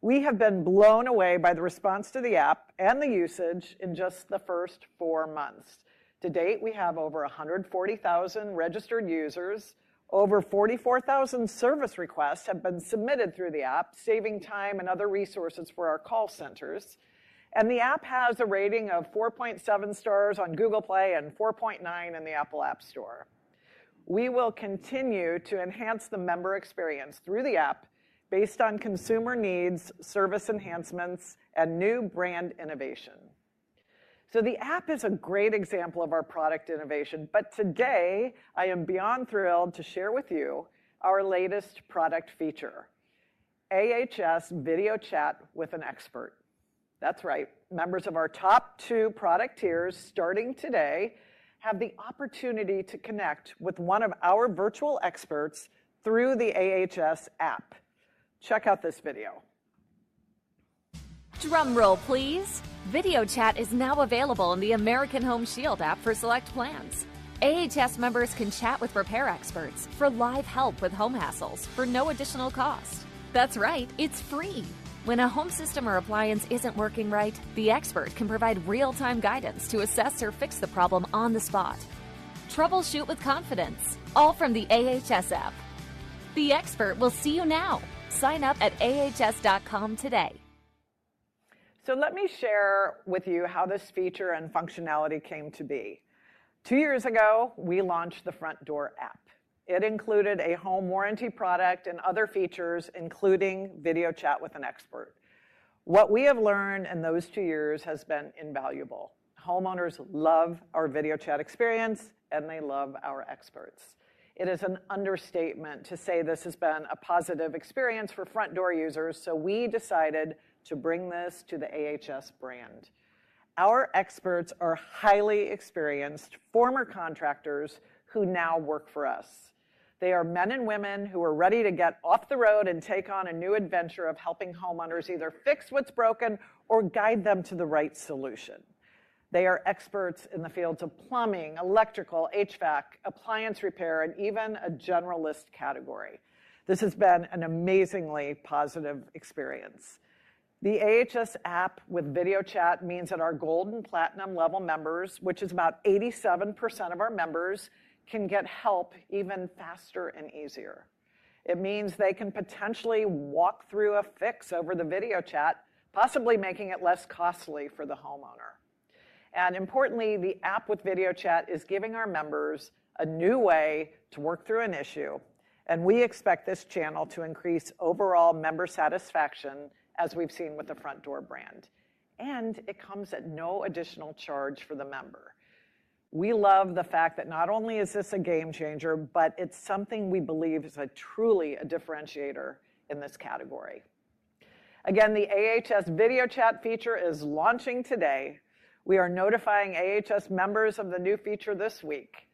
E: We have been blown away by the response to the app and the usage in just the first four months. To date, we have over 140,000 registered users. Over 44,000 service requests have been submitted through the app, saving time and other resources for our call centers. The app has a rating of 4.7 stars on Google Play and 4.9 in the Apple App Store. We will continue to enhance the member experience through the app based on consumer needs, service enhancements and new brand innovation. So the app is a great example of our product innovation. But today I am beyond thrilled to share with you our latest product feature AHS Video Chat with an Expert. That's right. Members of our top two product tiers starting today have the opportunity to connect with one of our virtual experts through the AHS app. Check out this video. Drum roll, please. Video Chat is now available in the. American Home Shield app for select plans. AHS members can chat with repair experts for live help with home hassles for no additional cost. That's right. It's free. When a home system or appliance isn't. Working right, the expert can provide real-time. Guidance to assess or fix the problem on the spot. Troubleshoot with confidence. All from the AHS app. The expert will see you now. Sign up at ahs.com today. So let me share with you how this feature and functionality came to be. Two years ago, we launched the Frontdoor app. It included a home warranty product and other features including Video Chat with an Expert. What we have learned in those two years has been invaluable. Homeowners love our video chat experience and they love our experts. It is an understatement to say this has been a positive experience for Frontdoor users. So we decided to bring this to the AHS brand. Our experts are highly experienced former contractors who now work for us. They are men and women who are ready to get off the road and take on a new adventure of helping homeowners either fix what's broken or guide them to the right solution. They are experts in the fields of plumbing, electrical, HVAC, appliance repair, and even a generalist category. This has been an amazingly positive experience. The AHS app with video chat means that our Gold and Platinum level members, which is about 87% of our members, can get help even faster and easier. It means they can potentially walk through a fix over the video chat, possibly making it less costly for the homeowner. And importantly, the app with video chat is giving our members a new way to work through an issue. And we expect this channel to increase overall member satisfaction as we've seen with the Frontdoor brand. And it comes at no additional charge for the member. We love the fact that not only is this a game changer, but it's something we believe is truly a differentiator in this category. Again, the AHS video chat feature is launching today. We are notifying AHS members of the new feature. This week.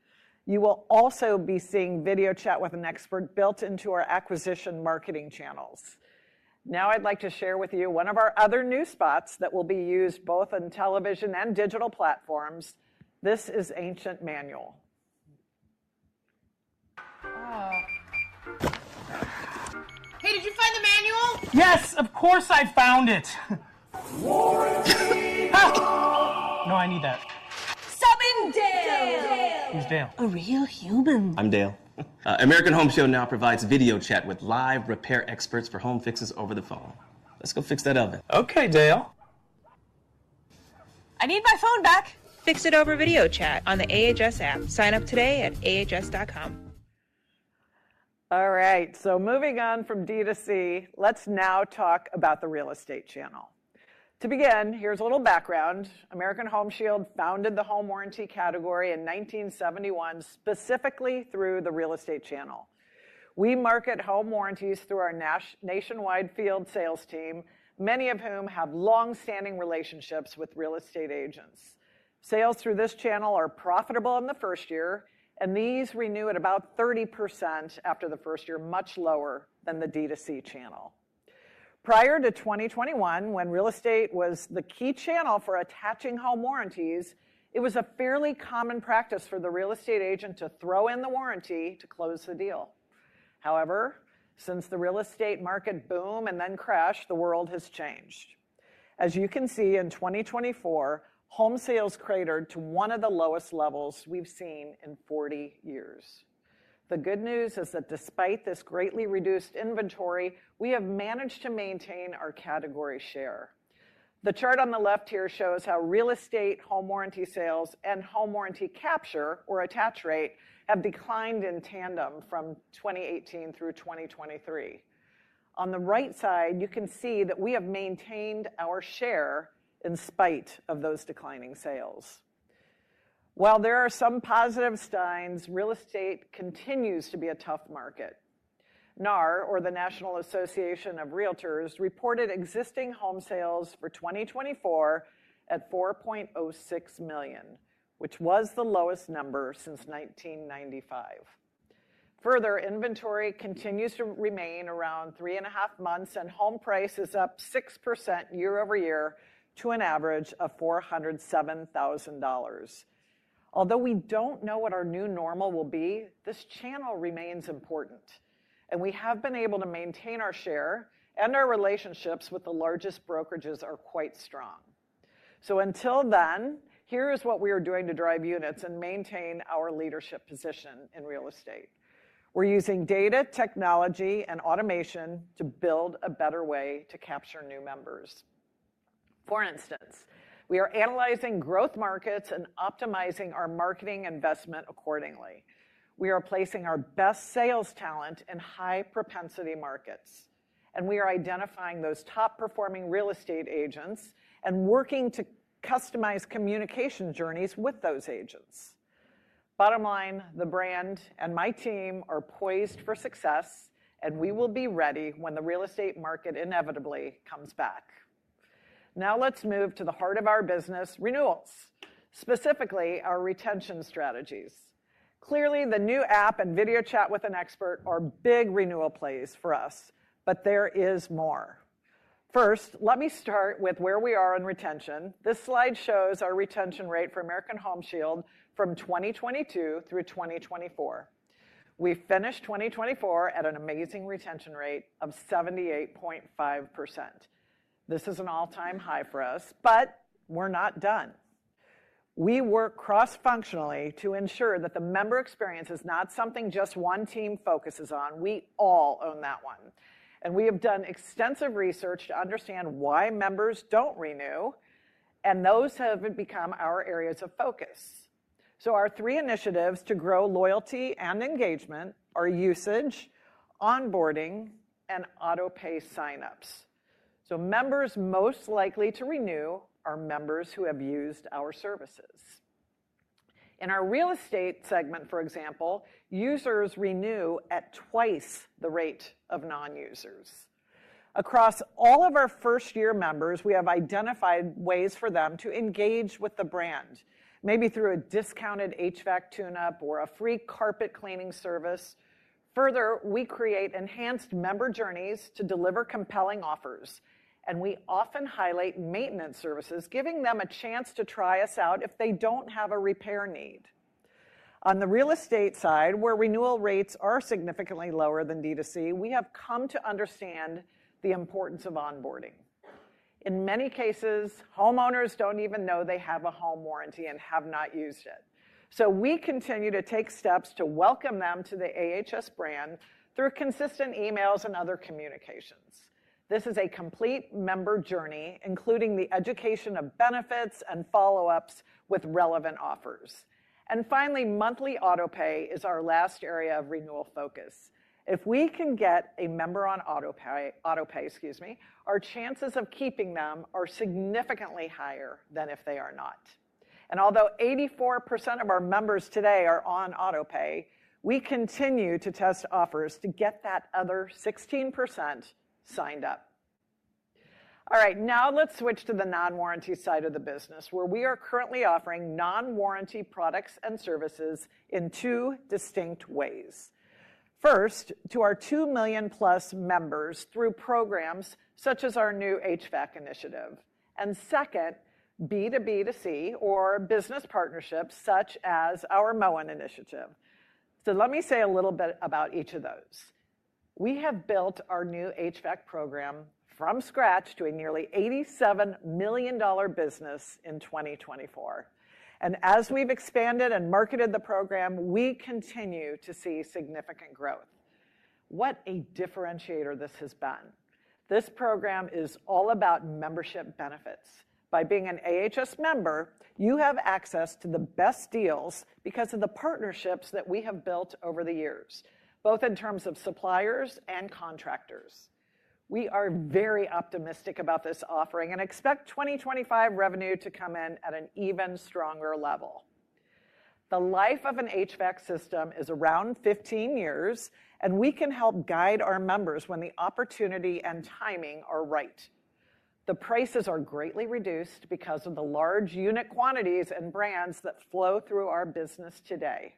E: You will also be seeing Video Chat with an Expert built into our acquisition marketing channels. Now I'd like to share with you one of our other new spots that will be used both on television and digital platforms. This is Ancient Manual. Hey, did you find the manual? Yes, of course I found it. Warrantina. No, I need that. Summon Dale. Who's Dale? A real human. I'm Dale. American Home Shield now provides video chat with live repair experts for home fixes over the phone. Let's go fix that oven. Okay, Dale. I need my phone back. Fix it over video chat on the AHS app. Sign up today. At ahs.com. All right. So moving on from D2C, let's now talk about the real estate channel. To begin, here's a little background. American Home Shield founded the home warranty category in 1971 specifically through the real estate channel. We market home warranties through our nationwide field sales team, many of whom have long standing relationships with real estate agents. Sales through this channel are profitable in the first year and these renew at about 30% after the first year, much lower than the D2C channel. Prior to 2021, when real estate was the key channel for attaching home warranties, it was a fairly common practice for the real estate agent to throw in the warranty to close the deal. However, since the real estate market boom and then crash, the world has changed. As you can see, in 2024, home sales cratered to one of the lowest levels we've seen in 40 years. The good news is that despite this greatly reduced inventory, we have managed to maintain our category share. The chart on the left here shows how real estate home warranty sales and home warranty capture or attach rate have declined in tandem from 2018 through 2023. On the right side, you can see that we have maintained our share in spite of those declining sales. While there are some positive signs, real estate continues to be a tough market. NAR, or the National Association of Realtors, reported existing home sales for 2024 at 4.06 million, which was the lowest number since 1995. Further, inventory continues to remain around three and a half months and home prices up 6% year-over-year to an average of $407,000. Although we don't know what our new normal will be, this channel remains important and we have been able to maintain our share and our relationships with the largest brokerages are quite strong. So until then, here is what we are doing to drive units and maintain our leadership position in real estate. We're using data, technology and automation to build a better way to capture new members. For instance, we are analyzing growth markets and optimizing our marketing investment accordingly. We are placing our best sales talent in high propensity markets and we are identifying those top performing real estate agents and working to customize communication journeys with those agents. Bottom line, the brand and my team are poised for success and we will be ready when the real estate market inevitably comes back. Now let's move to the heart of our business renewals, specifically our retention strategies. Clearly, the new app and Video Chat with an Expert are big renewal plays for us, but there is more. First, let me start with where we are in retention. This slide shows our retention rate for American Home Shield from 2022 through 2024. We finished 2024 at an amazing retention rate of 78.5%. This is an all-time high for us, but we're not done. We work cross-functionally to ensure that the member experience is not something just one team focuses on. We all own that one and we have done extensive research to understand why members don't renew and those have become our areas of focus. So our three initiatives to grow loyalty and engagement are usage, onboarding and autopay sign-ups. So members most likely to renew are members who have used our services. In our real estate segment, for example, users renew at twice the rate of non-users. Across all of our first-year members, we have identified ways for them to engage with the brand, maybe through a discounted HVAC tune-up or a free carpet cleaning service. Further, we create enhanced member journeys to deliver compelling offers, and we often highlight maintenance services, giving them a chance to try us out if they don't have a repair need. On the real estate side, where renewal rates are significantly lower than D2C, we have come to understand the importance of onboarding. In many cases, homeowners don't even know they have a home warranty and have not used it. So we continue to take steps to welcome them to the AHS brand through consistent emails and other communications. This is a complete member journey, including the education of benefits and follow-ups with relevant offers. And finally, monthly autopay is our last area of renewal focus. If we can get a member on autopay, excuse me, our chances of keeping them are significantly higher than if they are not. And although 84% of our members today are on autopay, we continue to test offers to get that other 16% signed up. All right, now let's switch to the Non-Warranty side of the business where we are currently offering non-warranty products and services in two distinct ways. First, to our 2 million+ members through programs such as our new HVAC initiative and second, B2B2C or business partnerships such as our Moen initiative. So let me say a little bit about each of those. We have built our new HVAC program from scratch to a nearly $87 million business in 2024 and as we've expanded and marketed the program we continue to see significant growth. What a differentiator this has been. This program is all about membership benefits. By being an AHS member, you have access to the best deals because of the partnerships that we have built over the years, both in terms of suppliers and contractors. We are very optimistic about this offering and expect 2025 revenue to come in at an even stronger level. The life of an HVAC system is around 15 years and we can help guide our members when the opportunity and timing are right. The prices are greatly reduced because of the large unit quantities and brands that flow through our business today.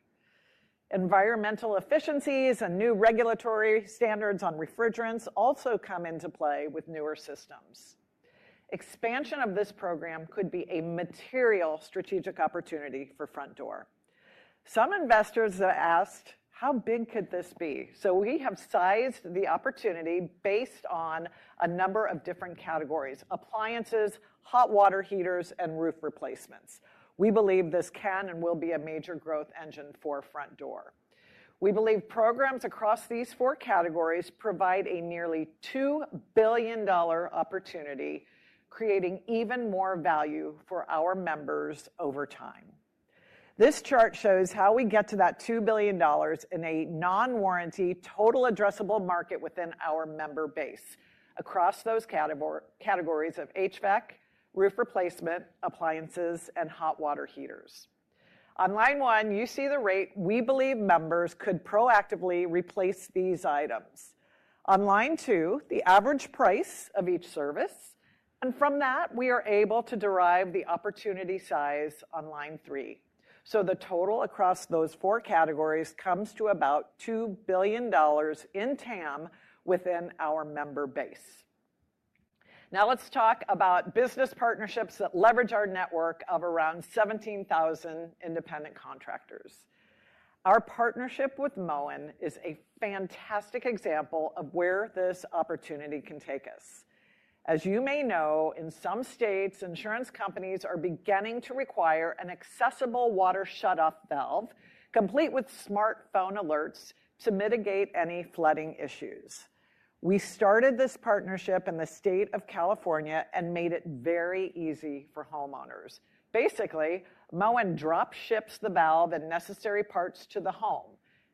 E: Environmental efficiencies and new regulatory standards on refrigerants also come into play with newer systems. Expansion of this program could be a material strategic opportunity for Frontdoor. Some investors asked how big could this be? So we have sized the opportunity based on a number of different categories: appliances, hot water heaters, and roof replacements. We believe this can and will be a major growth engine for Frontdoor. We believe programs across these four categories provide a nearly $2 billion opportunity, creating even more value for our members over time. This chart shows how we get to that $2 billion in a non-warranty total addressable market within our member base across those categories of HVAC, roof replacement, appliances, and hot water heaters. On line one, you see the rate. We believe members could proactively replace these items. On line 2, the average price of each service, and from that we are able to derive the opportunity size on line three. So the total across those four categories comes to about $2 billion in TAM within our member base. Now let's talk about business partnerships that leverage our network of around 17,000 independent contractors. Our partnership with Moen is a fantastic example of where this opportunity can take us. As you may know, in some states, insurance companies are beginning to require an accessible water shut-off valve, complete with smartphone alerts to mitigate any flooding issues. We started this partnership in the state of California and made it very easy for homeowners. Basically, Moen drop ships the valve and necessary parts to the home.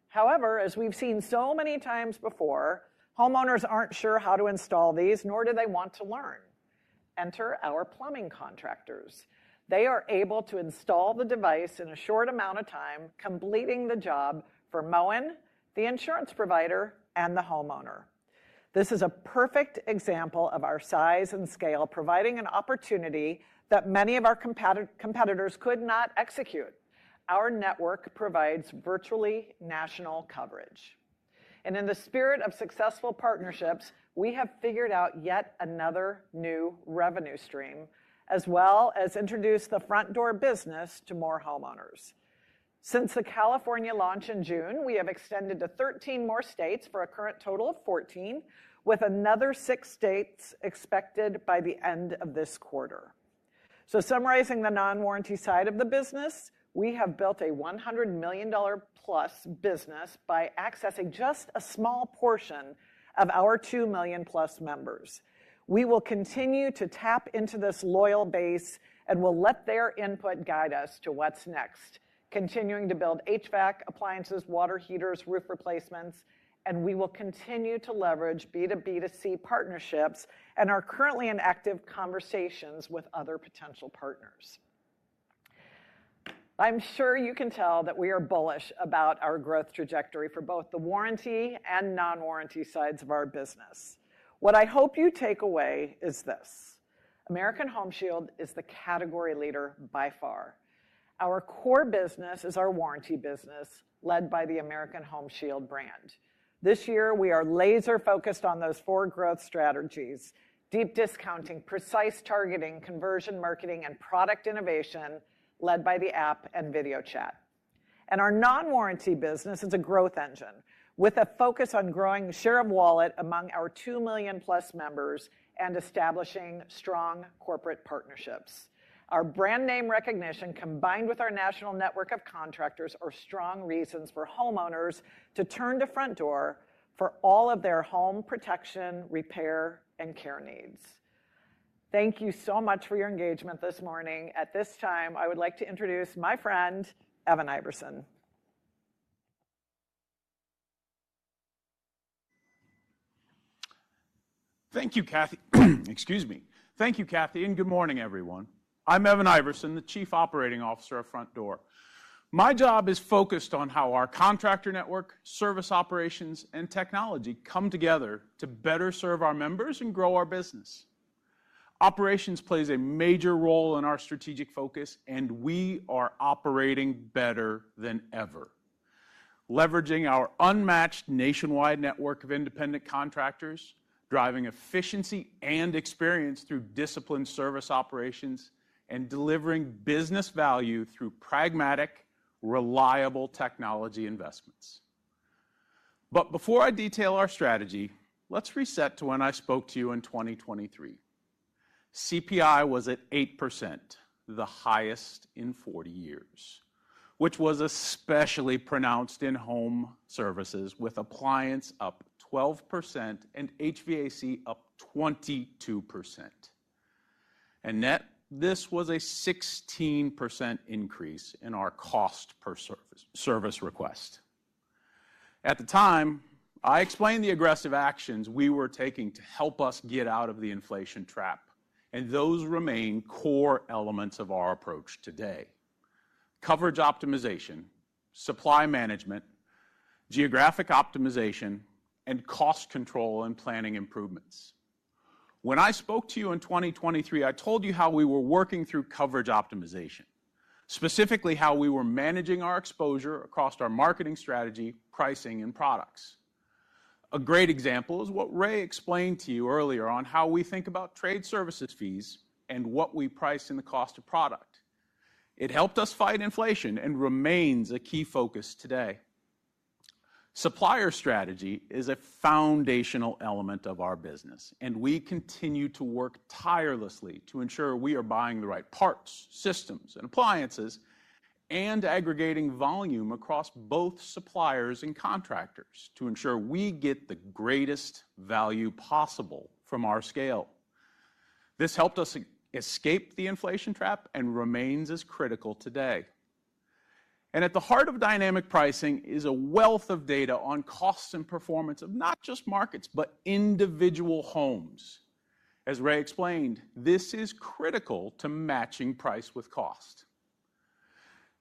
E: However, as we've seen so many times before, homeowners aren't sure how to install these nor do they want to learn. Enter our plumbing contractors. They are able to install the device in a short amount of time, completing the job for Moen, the insurance provider and the homeowner. This is a perfect example of our size and scale, providing an opportunity that many of our competitors could not execute. Our network provides virtually national coverage and in the spirit of successful partnerships, we have figured out yet another new revenue stream as well as introduce the Frontdoor business to more homeowners. Since the California launch in June, we have extended to 13 more states for a current total of 14 with another six states expected by the end of this quarter. So summarizing the Non-Warranty side of the business, we have built a $100 million+ business by accessing just a small portion of our 2 million+ members. We will continue to tap into this loyal base and will let their input guide us to what's next. Continuing to build HVAC appliances, water heaters, roof replacements and we will continue to leverage B2B2C partnerships and are currently in active conversations with other potential partners. I'm sure you can tell that we are bullish about our growth trajectory for both the Warranty and Non-Warranty sides of our business. What I hope you take away is this: American Home Shield is the category leader by far. Our core business is our Warranty business led by the American Home Shield brand. This year we are laser-focused on those four growth strategies: deep discounting, precise targeting, conversion marketing, and product innovation led by the app and video chat. Our Non-Warranty business is a growth engine with a focus on growing share of wallet among our 2 million+ members and establishing strong corporate partnerships. Our brand name recognition combined with our national network of contractors are strong reasons for homeowners to turn to Frontdoor for all of their home protection, repair, and care needs. Thank you so much for your engagement this morning. At this time I would like to introduce my friend Evan Iverson.
F: Thank you, Kathy. Excuse me. Thank you, Kathy, and good morning, everyone. I'm Evan Iverson, the Chief Operating Officer of Frontdoor. My job is focused on how our contractor network, service operations and technology come together to better serve our members and grow our business. Operations plays a major role in our strategic focus, and we are operating better than ever. Leveraging our unmatched nationwide network of independent contractors, driving efficiency and experience through disciplined service operations and delivering business value through pragmatic, reliable technology investments. But before I detail our strategy, let's reset to when I spoke to you in 2023. CPI was at 8%, the highest in 40 years, which was especially pronounced in Home Services with appliance up 12% and HVAC up 22% and net, this was a 16% increase in our cost per service request. At the time I explained the aggressive actions we were taking to help us get out of the inflation trap and those remain core elements of our approach today. Coverage optimization, supply management, geographic optimization and cost control and planning improvements. When I spoke to you in 2023, I told you how we were working through coverage optimization, specifically how we were managing our exposure across our marketing strategy, pricing and products. A great example is what Ray explained to you earlier on how we think about trade service fees and what we price in the cost of product. It helped us fight inflation and remains a key focus today. Supplier strategy is a foundational element of our business and we continue to work tirelessly to ensure we are buying the right parts, systems and appliances and aggregating volume across both suppliers and contractors to ensure we get the greatest value possible from our scale. This helped us escape the inflation trap and remains as critical today. And at the heart of dynamic pricing is a wealth of data on costs and performance of not just markets, but individual homes. As Ray explained, this is critical to matching price with cost.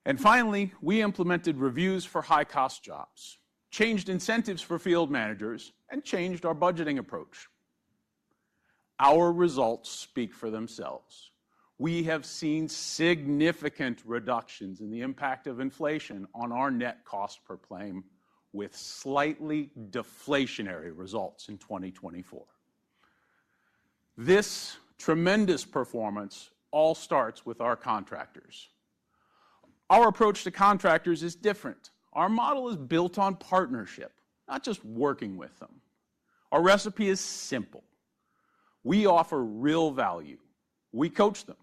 F: And finally, we implemented reviews for high-cost jobs, changed incentives for field managers and changed our budgeting approach. Our results speak for themselves. We have seen significant reductions in the impact of inflation on our net cost per claim with slightly deflationary results in 2024. This tremendous performance all starts with our contractors. Our approach to contractors is different. Our model is built on partnership, not just working with them. Our recipe is simple. We offer real value. We coach them,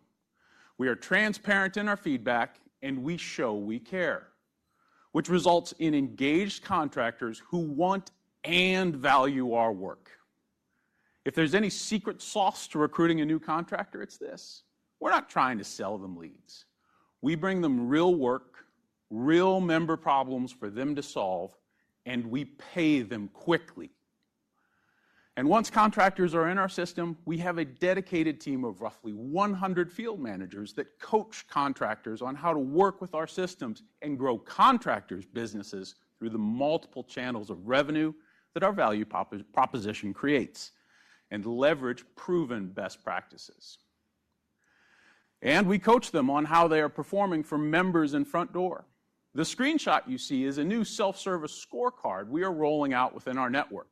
F: we are transparent in our feedback and we show we care. Which results in engaged contractors who want and value our work. If there's any secret sauce to recruiting a new contractor, it's this. We're not trying to sell them leads. We bring them real work, real member problems for them to solve and we pay them quickly. And once contractors are in our system, we have a dedicated team of roughly 100 field managers that coach contractors on how to work with our systems and grow contractors' businesses through the multiple channels of revenue that our value proposition creates and leverage proven best practices. And we coach them on how they are performing for members in Frontdoor. The screenshot you see is a new self-service scorecard we are rolling out within our network.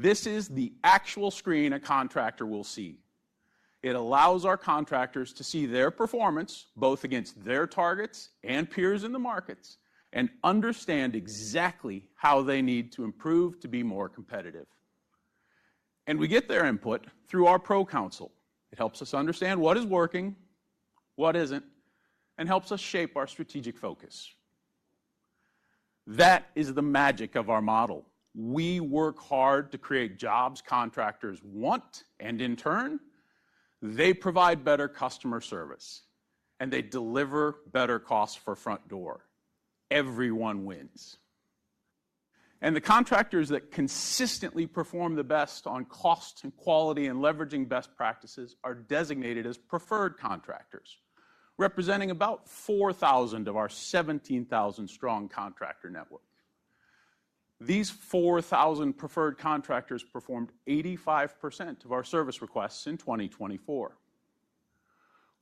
F: This is the actual screen a contractor will see. It allows our contractors to see their performance both against their targets and peers in the markets and understand exactly how they need to improve to be more competitive. And we get their input through our Pro Council. It helps us understand what is working, what isn't and helps us shape our strategic focus. That is the magic of our model. We work hard to create jobs contractors want and in turn they provide better customer service and they deliver better costs for Frontdoor. Everyone wins. And the contractors that consistently perform the best on cost and quality and leveraging best practices are designated as preferred contractors. Representing about 4,000 of our 17,000 strong contractor network. These 4,000 preferred contractors performed 85% of our service requests in 2024.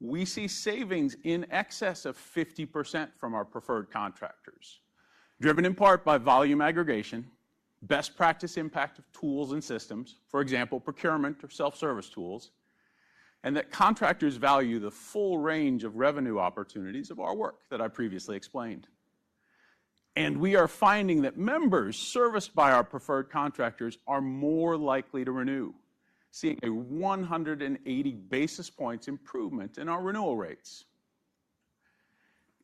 F: We see savings in excess of 50% from our preferred contractors, driven in part by volume aggregation, best practice impact of tools and systems, for example procurement or self-service tools, and that contractors value the full range of revenue opportunities of our work that I previously explained. And we are finding that members serviced by our preferred contractors are more likely to renew, seeing a 180 basis points improvement in our renewal rates.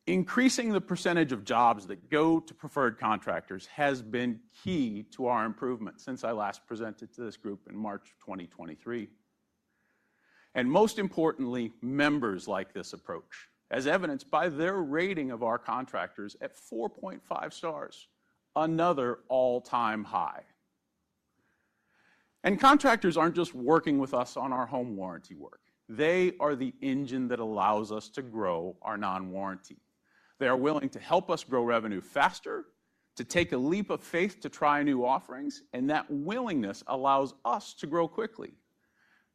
F: Increasing the percentage of jobs that go to preferred contractors has been key to our improvement since I last presented to this group in March 2023, and most importantly, members like this approach as evidenced by their rating of our contractors at 4.5 stars, another all-time high. And contractors aren't just working with us on our home warranty work, they are the engine that allows us to grow our non-warranty. They are willing to help us grow revenue faster to take a leap of faith to try new offerings and that willingness allows us to grow quickly.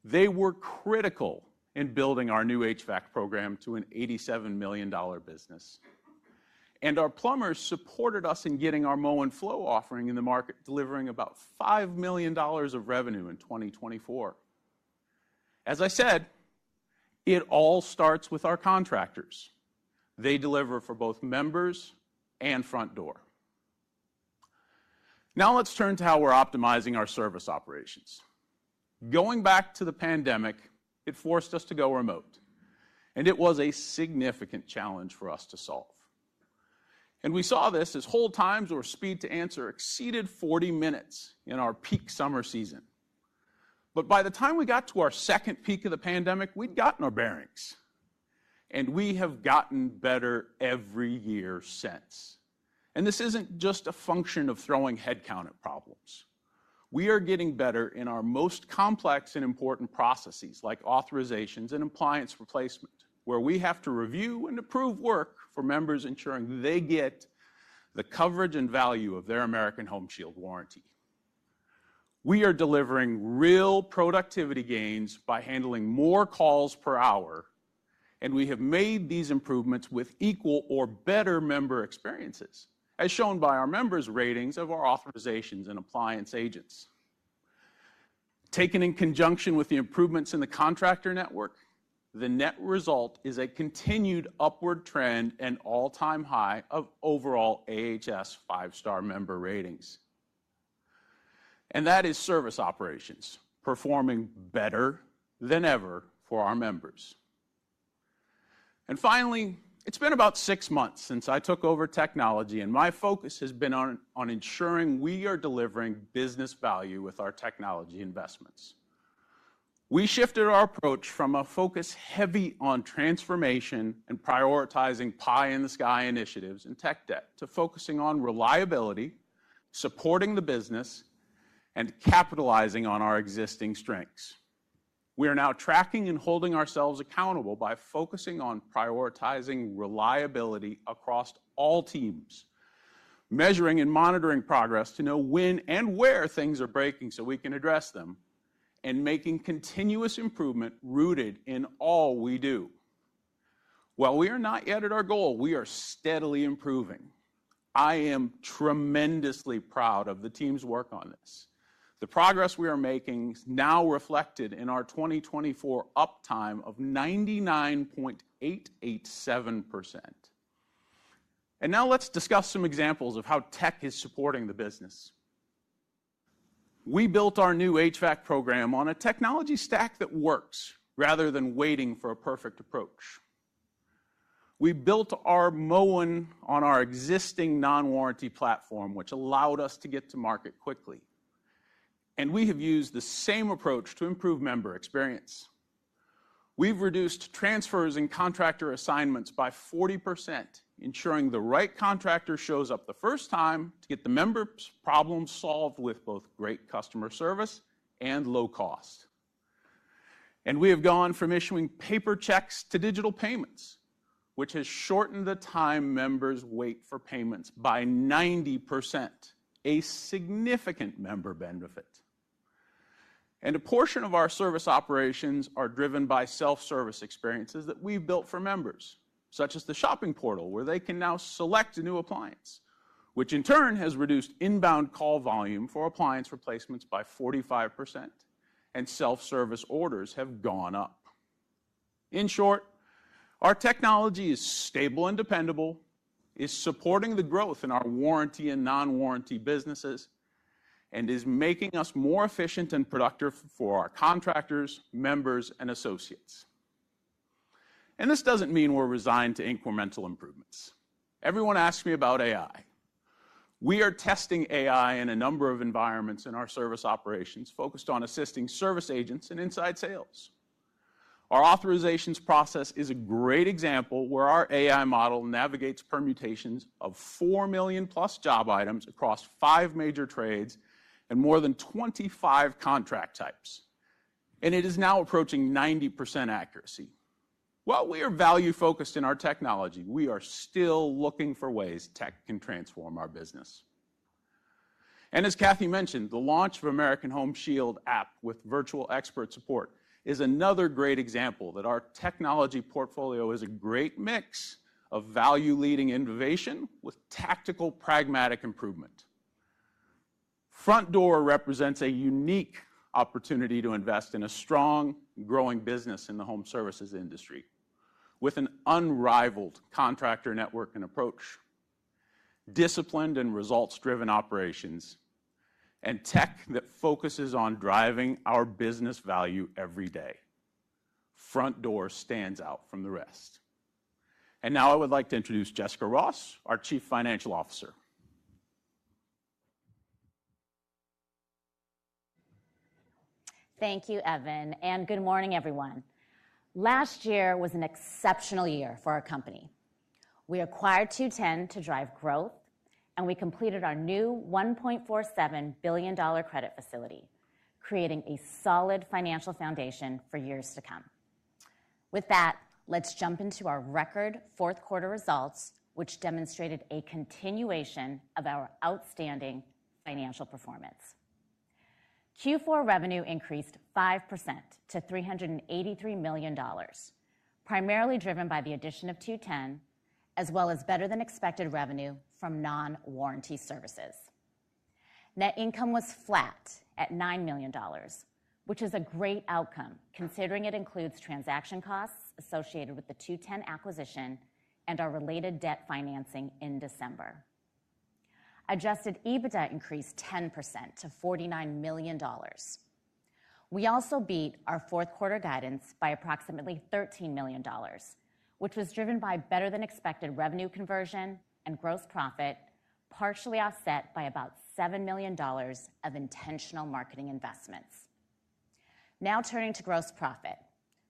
F: They were critical in building our new HVAC program to an $87 million business and our plumbers supported us in getting our Moen Flo offering in the market, delivering about $5 million of revenue in 2024. As I said, it all starts with our contractors. They deliver for both members and Frontdoor. Now let's turn to how we're optimizing our service operations. Going back to the pandemic, it forced us to go remote and it was a significant challenge for us to solve, and we saw this as hold times or speed to answer exceeded 40 minutes in our peak summer season. But by the time we got to our second peak of the pandemic we'd gotten our bearings and we have gotten better every year since. And this isn't just a function of throwing headcount at problems. We are getting better in our most complex and important processes like authorizations and appliance replacement where we have to review and approve work for members, ensuring they get the coverage and value of their American Home Shield warranty. We are delivering real productivity gains by handling more calls per hour and we have made these improvements with equal or better member experiences as shown by our members' ratings of our authorizations and appliance agents. Taken in conjunction with the improvements in the contractor network. The net result is a continued upward trend and all-time high of overall AHS 5-star member ratings. That is service operations performing better than ever for our members. Finally, it's been about six months since I took over technology and my focus has been on ensuring we are delivering business value with our technology investments. We shifted our approach from a focus heavy on transformation and prioritizing pie in the sky initiatives and technology tech debt to focusing on reliability, supporting the business and capitalizing on our existing strengths. We are now tracking and holding ourselves accountable by focusing on prioritizing reliability across all teams, measuring and monitoring progress to know when and where things are breaking so we can address them, and making continuous improvement rooted in all we do. While we are not yet at our goal, we are steadily improving. I am tremendously proud of the team's work on this. The progress we are making is now reflected in our 2024 uptime of 99.887%, and now let's discuss some examples of how tech is supporting the business. We built our new HVAC program on a technology stack that works rather than waiting for a perfect approach. We built our Moen on our existing Non-Warranty platform, which allowed us to get to market quickly. We have used the same approach to improve member experience. We've reduced transfers and contractor assignments by 40%, ensuring the right contractor shows up the first time to get the member problems solved with both great customer service and low cost. We have gone from issuing paper checks to digital payments, which has shortened the time members wait for payments by 90%, a significant member benefit. And a portion of our service operations are driven by self-service experiences that we built for members such as the shopping portal where they can now select a new appliance, which in turn has reduced inbound call volume for appliance replacements by 45% and self-service orders have gone up. In short, our technology is stable and dependable, is supporting the growth in our Warranty and Non-Warranty businesses, and is making us more efficient and productive for our contractors, members and associates. And this doesn't mean we're resigned to incremental improvements. Everyone asks me about AI. We are testing AI in a number of environments in our service operations focused on assisting service agents and inside sales. Our authorizations process is a great example where our AI model navigates permutations of 4 million+ job items across five major trades and more than 25 contract types and it is now approaching 90% accuracy. While we are value-focused in our technology, we are still looking for ways tech can transform our business. And as Kathy mentioned, the launch of American Home Shield app with virtual expert support is another great example that our technology portfolio is a great mix of value-leading innovation with tactical pragmatic improvement. Frontdoor represents a unique opportunity to invest in a strong growing business in the home services industry with an unrivaled contractor network and approach, disciplined and results-driven operations and tech that focuses on driving our business value every day. Frontdoor stands out from the rest. And now I would like to introduce Jessica Ross, our Chief Financial Officer.
G: Thank you, Evan, and good morning, everyone. Last year was an exceptional year for our company. We acquired 2-10 to drive growth and we completed our new $1.47 billion credit facility, creating a solid financial foundation for years to come. With that, let's jump into our record fourth quarter results, which demonstrated a continuation of our outstanding financial performance. Q4 revenue increased 5% to $383 million, primarily driven by the addition of 2-10 as well as better-than-expected revenue from non-warranty services. Net income was flat at $9 million, which is a great outcome considering it includes transaction costs associated with the 2-10 acquisition and our related debt financing in December. Adjusted EBITDA increased 10% to $49 million. We also beat our fourth quarter guidance by approximately $13 million, which was driven by better than expected revenue conversion and gross profit, partially offset by about $7 million of intentional marketing investments. Now turning to gross profit,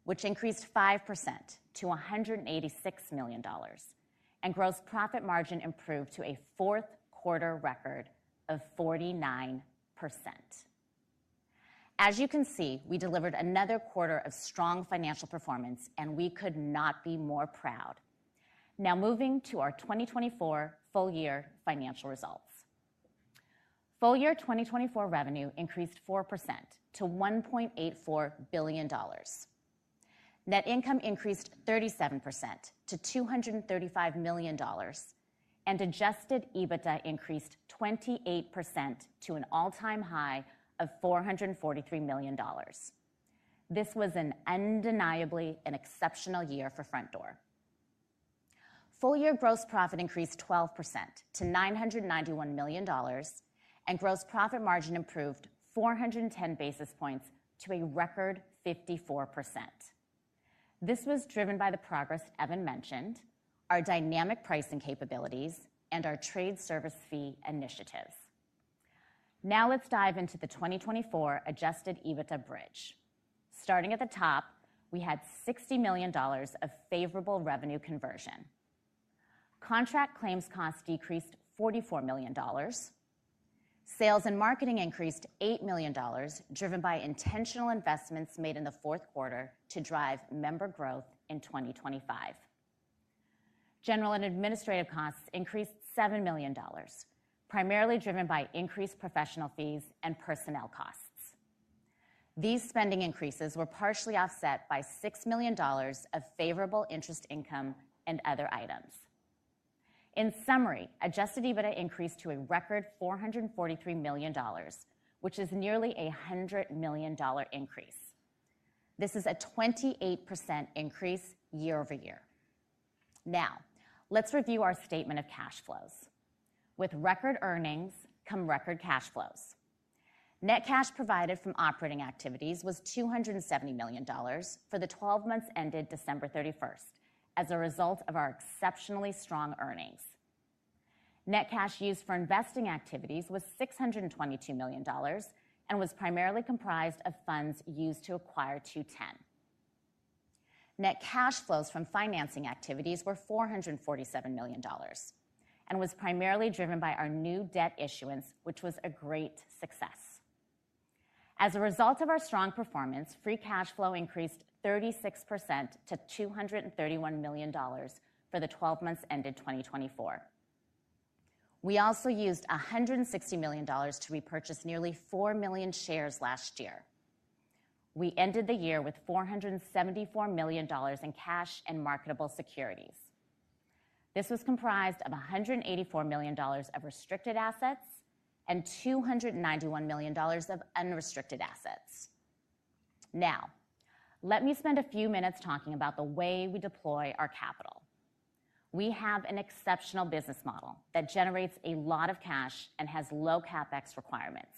G: which increased 5% to $186 million and gross profit margin improved to a fourth quarter record of 49%. As you can see, we delivered another quarter of strong financial performance and we could not be more proud. Now moving to our 2024 full year financial results. Full year 2024 revenue increased 4% to $1.84 billion, net income increased 37% to $235 million and Adjusted EBITDA increased 28% to an all-time high of $443 million. This was undeniably an exceptional year for Frontdoor. Full-year gross profit increased 12% to $991 million and gross profit margin improved 410 basis points to a record 54%. This was driven by the progress Evan mentioned, our dynamic pricing capabilities and our trade service fee initiatives. Now let's dive into the 2024 Adjusted EBITDA bridge. Starting at the top, we had $60 million of favorable revenue conversion. Contract claims costs decreased $44 million. Sales and marketing increased $8 million driven by intentional investments made in the fourth quarter to drive member growth in 2025. General and administrative costs increased $7 million, primarily driven by increased professional fees and personnel costs. These spending increases were partially offset by $6 million of favorable interest income and other items. In summary, Adjusted EBITDA increased to a record $443 million, which is nearly $100 million increase. This is a 28% increase year-over-year. Now let's review our statement of cash flows. With record earnings come record cash flows. Net cash provided from operating activities was $270 million for the 12 months ended December 31st as a result of our exceptionally strong earnings. Net cash used for investing activities was $622 million and was primarily comprised of funds used to acquire 2-10. Net cash flows from financing activities were $447 million and was primarily driven by our new debt issuance, which was a great success. As a result of our strong performance, free cash flow increased 36% to $231 million for the 12 months ended 2024. We also used $160 million to repurchase nearly four million shares last year. We ended the year with $474 million in cash and marketable securities. This was comprised of $184 million of restricted assets and $291 million of unrestricted assets. Now let me spend a few minutes talking about the way we deploy our capital. We have an exceptional business model that generates a lot of cash and has low CapEx requirements.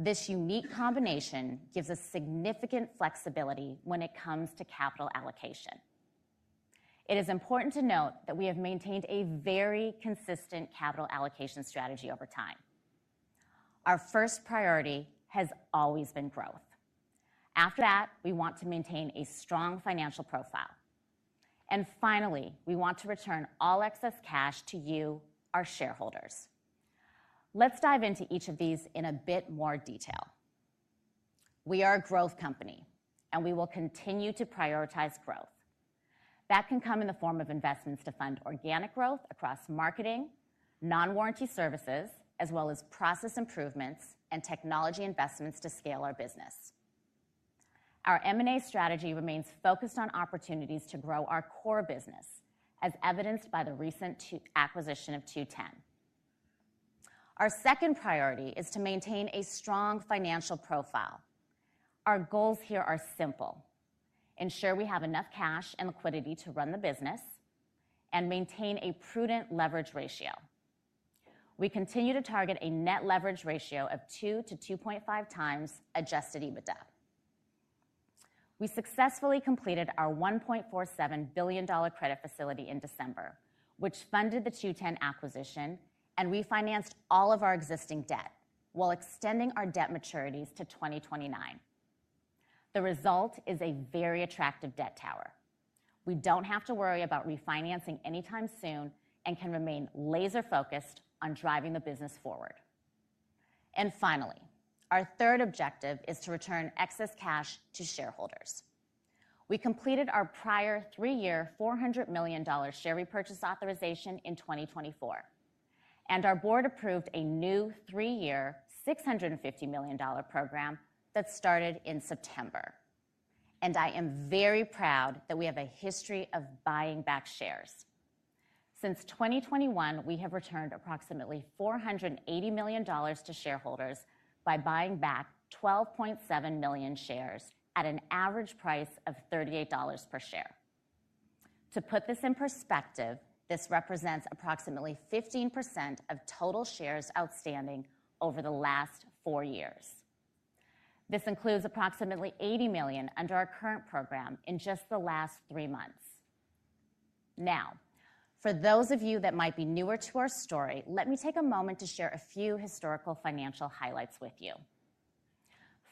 G: This unique combination gives us significant flexibility when it comes to capital allocation. It is important to note that we have maintained a very consistent capital allocation strategy over time. Our first priority has always been growth. After that we want to maintain a strong financial profile and finally, we want to return all excess cash to you, our shareholders. Let's dive into each of these in a bit more detail. We are a growth company and we will continue to prioritize growth. That can come in the form of investments to fund organic growth across marketing, non-warranty services as well as process improvements and technology investments to scale our business. Our M&A strategy remains focused on opportunities to grow our core business, as evidenced by the recent acquisition of 2-10. Our second priority is to maintain a strong financial profile. Our goals here are simple. Ensure we have enough cash and liquidity to run the business and maintain a prudent leverage ratio. We continue to target a net leverage ratio of 2x-2.5x Adjusted EBITDA. We successfully completed our $1.47 billion credit facility in December, which funded the 2-10 acquisition and refinanced all of our existing debt while extending our debt maturities to 2029. The result is a very attractive debt tower. We don't have to worry about refinancing anytime soon and can remain laser-focused on driving the business forward. Finally, our third objective is to return excess cash to shareholders. We completed our prior three-year $400 million share repurchase authorization in 2024 and our board approved a new three-year $650 million program that started in September. I am very proud that we have a history of buying back shares. Since 2021, we have returned approximately $480 million to shareholders by buying back 12.7 million shares at an average price of $38 per share. To put this in perspective, this represents approximately 15% of total shares outstanding over the last four years. This includes approximately $80 million under our current program in just the last three months. Now, for those of you that might be newer to our story, let me take a moment to share a few historical financial highlights with you.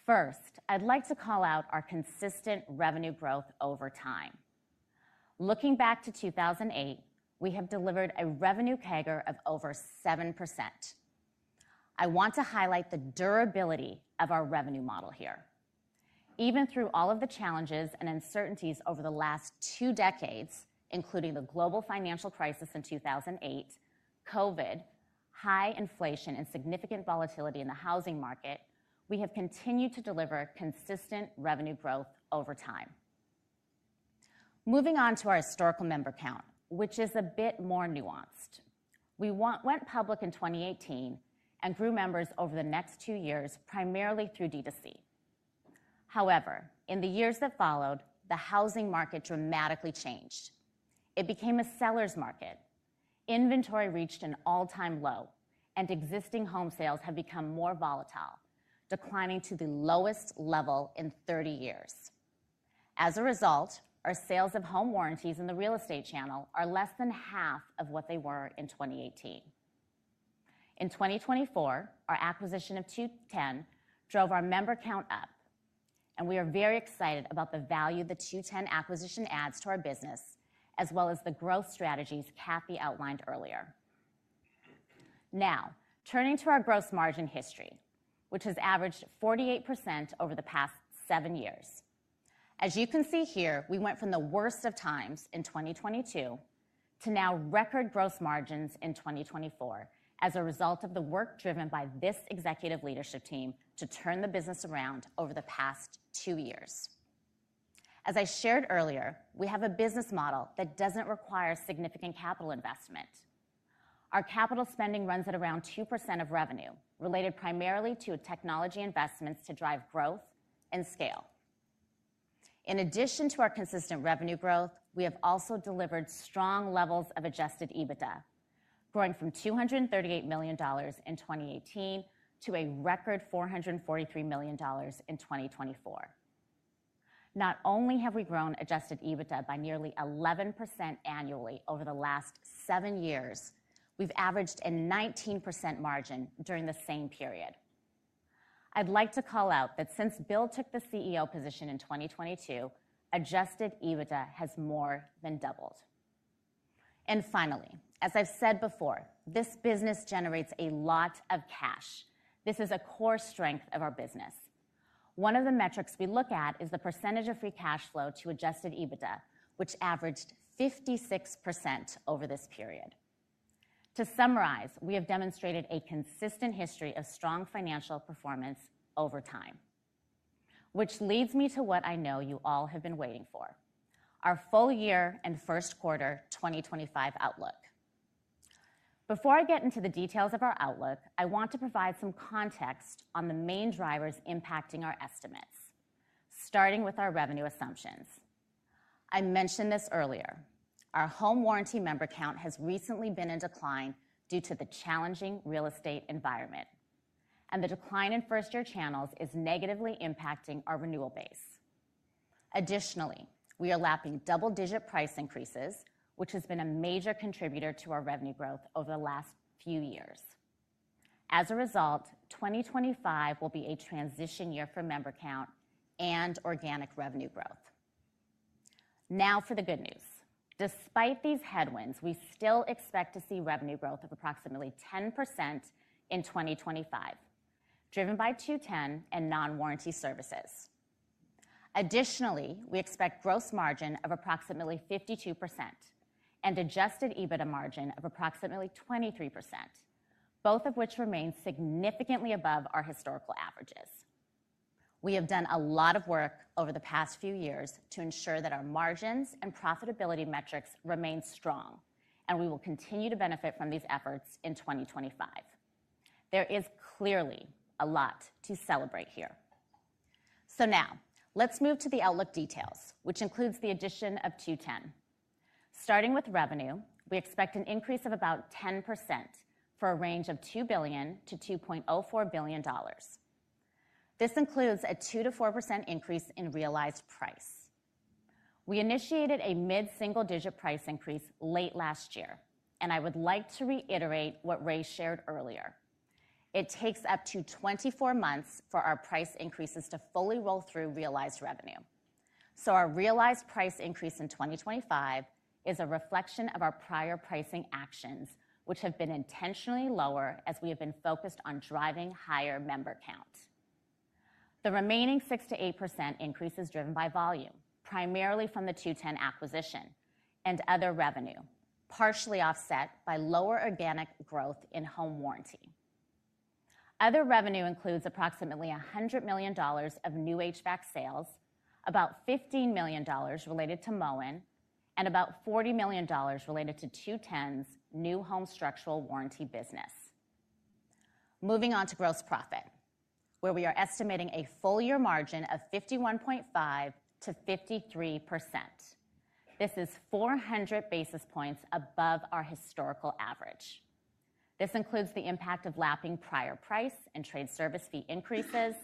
G: First, I'd like to call out our consistent revenue growth over time. Looking back to 2008, we have delivered a revenue CAGR of over 7%. I want to highlight the durability of our revenue model here. Even through all of the challenges and uncertainties over the last two decades, including the global financial crisis in 2008, COVID, high inflation, and significant volatility in the housing market, we have continued to deliver consistent revenue growth over time. Moving on to our historical member count, which is a bit more nuanced. We went public in 2018 and grew members over the next two years, primarily through D2C. However, in the years that followed, the housing market dramatically changed. It became a seller's market, inventory reached an all-time low and existing home sales have become more volatile, declining to the lowest level in 30 years. As a result, our sales of home warranties in the real estate channel are less than half of what they were in 2018. In 2024, our acquisition of 2-10 drove our member count up and we are very excited about the value the 2-10 acquisition adds to our business as well as the growth strategies Kathy outlined earlier. Now turning to our gross margin history, which has averaged 48% over the past seven years. As you can see here, we went from the worst of times in 2022 to now record gross margins in 2024 as a result of the work driven by this executive leadership team to turn the business around over the past two years. As I shared earlier, we have a business model that doesn't require significant capital investment. Our capital spending runs at around 2% of revenue, related primarily to technology investments to drive growth and scale. In addition to our consistent revenue growth, we have also delivered strong levels of Adjusted EBITDA growing from $238 million in 2018 to a record $443 million in 2024. Not only have we grown Adjusted EBITDA by nearly 11% annually over the last seven years, we've averaged a 19% margin during the same period. I'd like to call out that since Bill took the CEO position in 2022, Adjusted EBITDA has more than doubled. And finally, as I've said before, this business generates a lot of cash. This is a core strength of our business. One of the metrics we look at is the percentage of free cash flow to Adjusted EBITDA, which averaged 56% over this period. To summarize, we have demonstrated a consistent history of strong financial performance over time, which leads me to what I know you all have been waiting for, our full year and first quarter 2025 outlook. Before I get into the details of our outlook, I want to provide some context on the main drivers impacting our estimates, starting with our revenue assumptions. I mentioned this earlier. Our home warranty member count has recently been in decline due to the challenging real estate environment, and the decline in first-year channels is negatively impacting our renewal base. Additionally, we are lapping double-digit price increases which has been a major contributor to our revenue growth over the last few years. As a result, 2025 will be a transition year for member count and organic revenue growth. Now for the good news. Despite these headwinds, we still expect to see revenue growth of approximately 10% in 2025 driven by 2-10 and non-warranty services. Additionally, we expect gross margin of approximately 52% and Adjusted EBITDA margin of approximately 23%, both of which remain significantly above our historical averages. We have done a lot of work over the past few years to ensure that our margins and profitability metrics remain strong and we will continue to benefit from these efforts in 2025. There is clearly a lot to celebrate here. So now let's move to the outlook details which includes the addition of 2-10. Starting with revenue, we expect an increase of about 10% for a range of $2 billion-$2.04 billion. This includes a 2%-4% increase in realized price. We initiated a mid-single digit price increase late last year and I would like to reiterate what Ray shared earlier. It takes up to 24 months for our price increases to fully roll through realized revenue. So our realized price increase in 2025 is a reflection of our prior pricing actions which have been intentionally lower as we have been focused on driving higher member count. The remaining 6%-8% increase is driven by volume primarily from the 2-10 acquisition and other revenue partially offset by lower organic growth in home warranty. Other revenue includes approximately $100 million of new HVAC sales, about $15 million related to Moen and about $40 million related to 2-10's new Home Structural Warranty business. Moving on to gross profit where we are estimating a full-year margin of 51.5%-53%. This is 400 basis points above our historical average. This includes the impact of lapping prior price and trade service fee increases,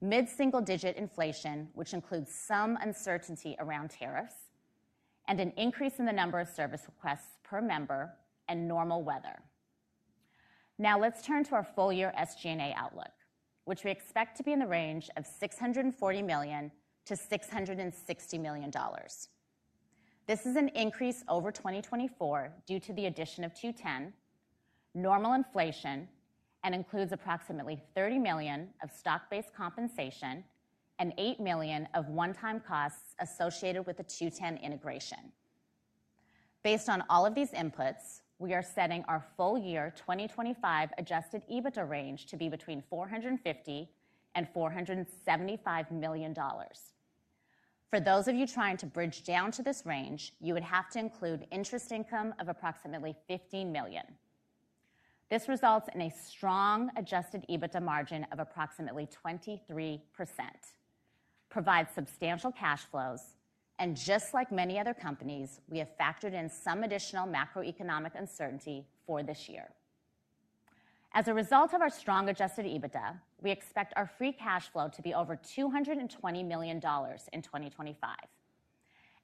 G: mid-single digit inflation which includes some uncertainty around tariffs and an increase in the number of service requests per member and normal weather. Now let's turn to our full year SG&A outlook which we expect to be in the range of $640 million-$660 million. This is an increase over 2024 due to the addition of 2-10, normal inflation and includes approximately $30 million of stock-based compensation and $8 million of one-time costs associated with the 2-10 integration. Based on all of these inputs we are setting our full year 2025 Adjusted EBITDA range to be between $450 million and $475 million. For those of you trying to bridge down to this range you would have to include interest income of approximately $15 million. This results in a strong Adjusted EBITDA margin of approximately 23%, provides substantial cash flows and just like many other companies, we have factored in some additional macroeconomic uncertainty for this year. As a result of our strong Adjusted EBITDA we expect our free cash flow to be over $220 million in 2025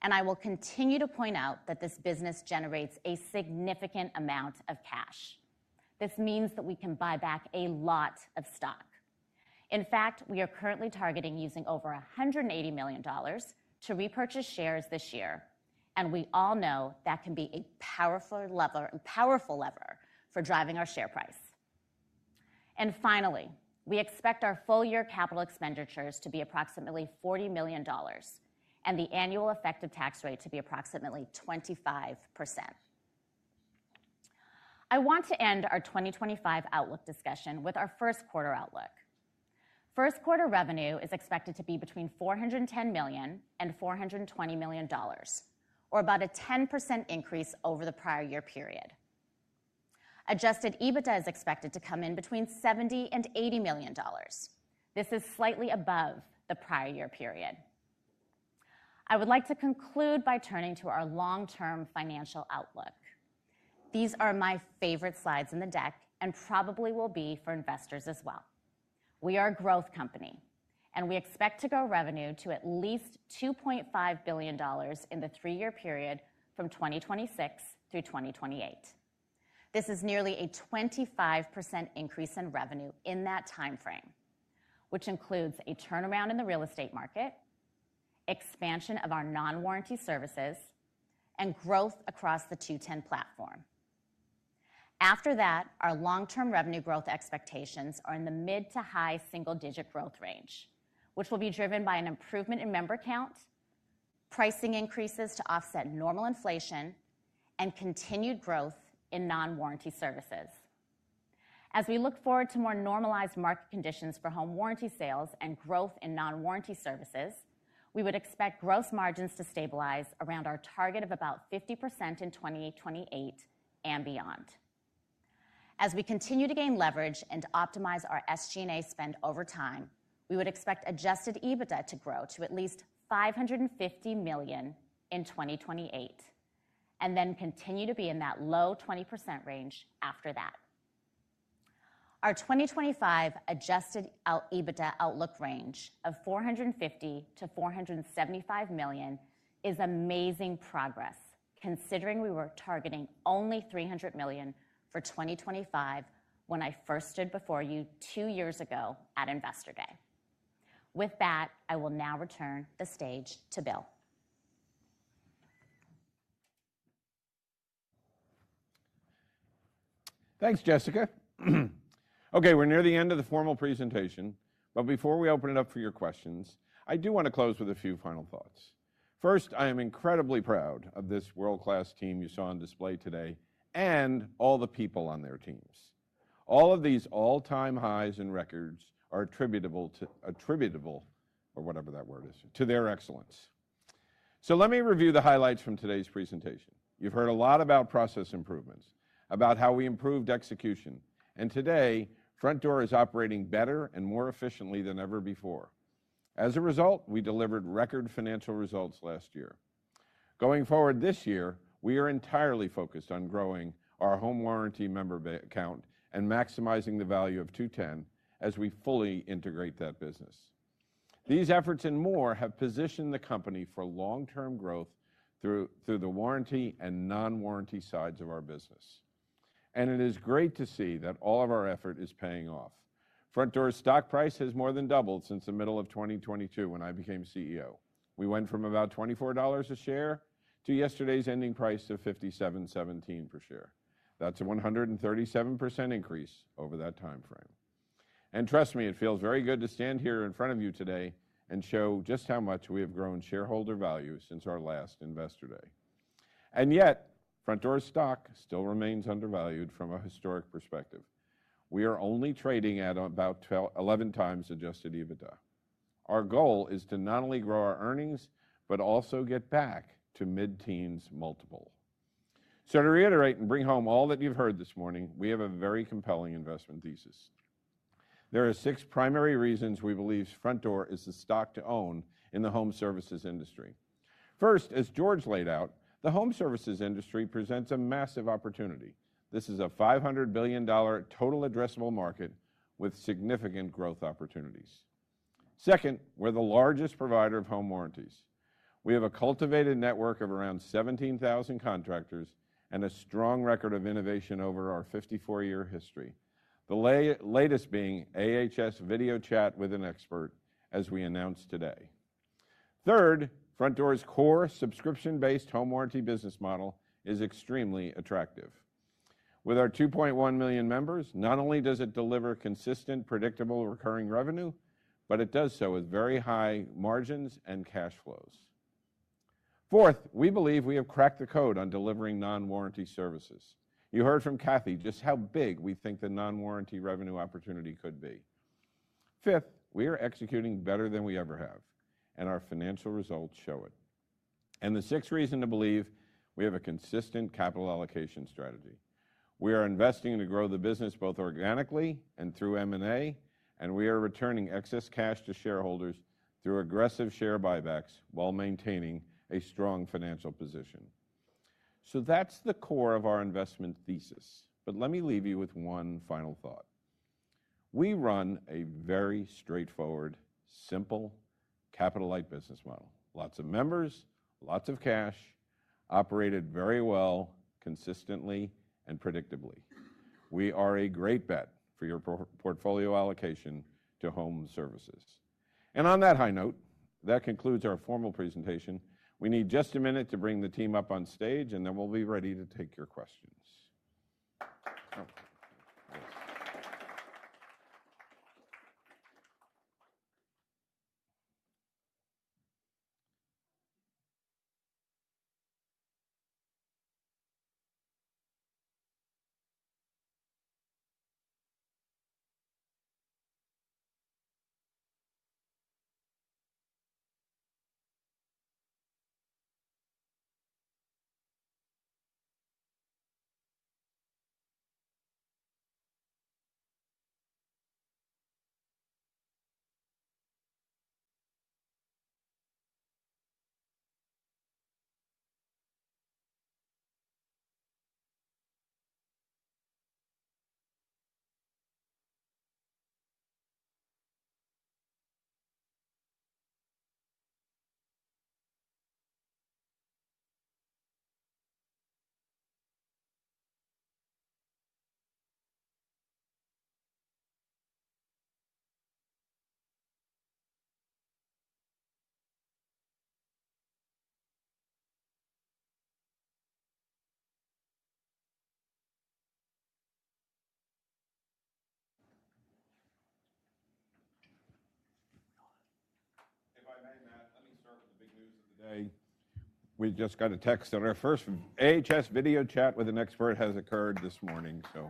G: and I will continue to point out that this business generates a significant amount of cash. This means that we can buy back a lot of stock. In fact, we are currently targeting using over $180 million to repurchase shares this year and we all know that can be a powerful lever for driving our share price. And finally, we expect our full-year capital expenditures to be approximately $40 million and the annual effective tax rate to be approximately 25%. I want to end our 2025 outlook discussion with our first quarter outlook. First quarter revenue is expected to be between $410 million and $420 million or about a 10% increase over the prior year period. Adjusted EBITDA is expected to come in between $70 million and $80 million. This is slightly above the prior year period. I would like to conclude by turning to our long term financial outlook. These are my favorite slides in the deck and probably will be for investors as well. We are a growth company and we expect to grow revenue to at least $2.5 billion in the three-year period from 2026 through 2028. This is nearly a 25% increase in revenue in that timeframe which includes a turnaround in the real estate market, expansion of our non-warranty services and growth across the 2-10 platform. After that, our long term revenue growth expectations are in the mid- to high-single digit growth range which will be driven by an improvement in member count, pricing increases to offset normal inflation and continued growth in non-warranty services. As we look forward to more normalized market conditions for home warranty sales and growth in non-warranty services, we would expect gross margins to stabilize around our target of about 50% in 2028 and beyond as we continue to gain leverage and optimize our SGA spend over time. We would expect Adjusted EBITDA to grow to at least $550 million in 2028 and then continue to be in that low 20% range after that. Our 2025 Adjusted EBITDA outlook range of $450 million-$475 million is amazing progress considering we were targeting only $300 million for 2025 when I first stood before you two years ago at Investor Day. With that, I will now return the stage to Bill.
B: Thanks Jessica. Okay, we're near the end of the formal presentation, but before we open it up for your questions, I do want to close with a few final thoughts. First, I am incredibly proud of this world-class team you saw on display today and all the people on their teams. All of these all-time highs and records are attributable or whatever that word is to their excellence, so let me review the highlights from today's presentation. You've heard a lot about process improvements, about how we improved execution, and today Frontdoor is operating better and more efficiently than ever before. As a result, we delivered record financial results last year. Going forward this year, we are entirely focused on growing our home warranty member account and maximizing the value of 2-10 as we fully integrate that business. These efforts and more have positioned the company for long term growth through the Warranty and Non-Warranty sides of our business and it is great to see that all of our effort is paying off. Frontdoor's stock price has more than doubled since the middle of 2022 when I became CEO. We went from about $24 a share to yesterday's ending price of $57.17 per share. That's a 137% increase over that time frame. And trust me, it feels very good to stand here in front of you today and show just how much we have grown shareholder value since our last Investor Day. And yet Frontdoor stock still remains undervalued from a historic perspective. We are only trading at about 11x Adjusted EBITDA. Our goal is to not only grow our earnings but also get back to mid-teens multiple. So to reiterate and bring home all that you've heard this morning, we have a very compelling investment thesis. There are six primary reasons we believe Frontdoor is the stock to own in the home services industry. First, as George laid out, the home services industry presents a massive opportunity. This is a $500 billion total addressable market with significant growth opportunities. Second, we're the largest provider of home warranties. We have a cultivated network of around 17,000 contractors and a strong record of innovation over our 54-year history. The latest being AHS Video Chat with an Expert as we announced today. Third, Frontdoor's core subscription-based home warranty business model is extremely attractive. With our 2.1 million members, not only does it deliver consistent predictable recurring revenue, but it does so with very high margins and cash flows. Fourth, we believe we have cracked the code on delivering non-warranty services. You heard from Kathy just how big we think the non-warranty revenue opportunity could be. Fifth, we are executing better than we ever have and our financial results show it, and the sixth reason to believe we have a consistent capital allocation strategy. We are investing to grow the business both organically and through M&A, and we are returning excess cash to shareholders through aggressive share buybacks while maintaining a strong financial position. So that's the core of our investment thesis, but let me leave you with one final thought. We run a very straightforward, simple capital-light business model. Lots of members, lots of cash, operated very well, consistently and predictably. We are a great bet for your portfolio allocation to home services, and on that high note, that concludes our formal presentation. We need just a minute to bring the team up on stage and then we'll be ready to take your questions. If I may, Matt, let me start. With the big news of the day. We just got a text on our first AHS Video Chat with an Expert has occurred this morning. So.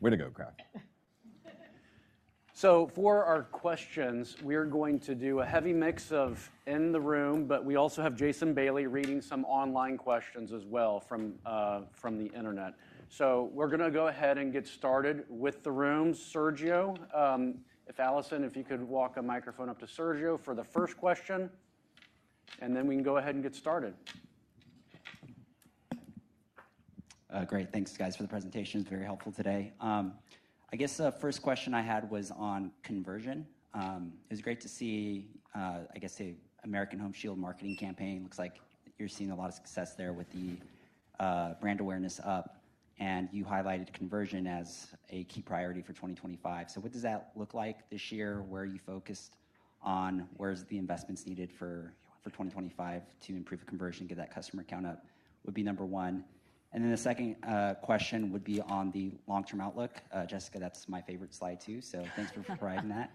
B: Way to go Kathy.
A: So for our questions we are going to do a heavy mix of in the room but we also have Jason Bailey reading some online questions as well from the Internet. So we're going to go ahead and get started with the room. Sergio, if Allison, if you could walk a microphone up to Sergio for the first question and then we can go ahead and get started. Great. Thanks, guys, for the presentation. It is very helpful today. I guess the first question I had was on conversion. It was great to see, I guess, the American Home Shield marketing campaign. It looks like you're seeing a lot of success there with the brand awareness up. And you highlighted conversion as a key priority for 2025. So what does that look like this year where you're focused on? Where's the investments needed for 2025 to improve conversion, get that customer count up would be number one? And then the second question would be on the long-term outlook. Jessica, that's my favorite slide too. So thanks for providing that.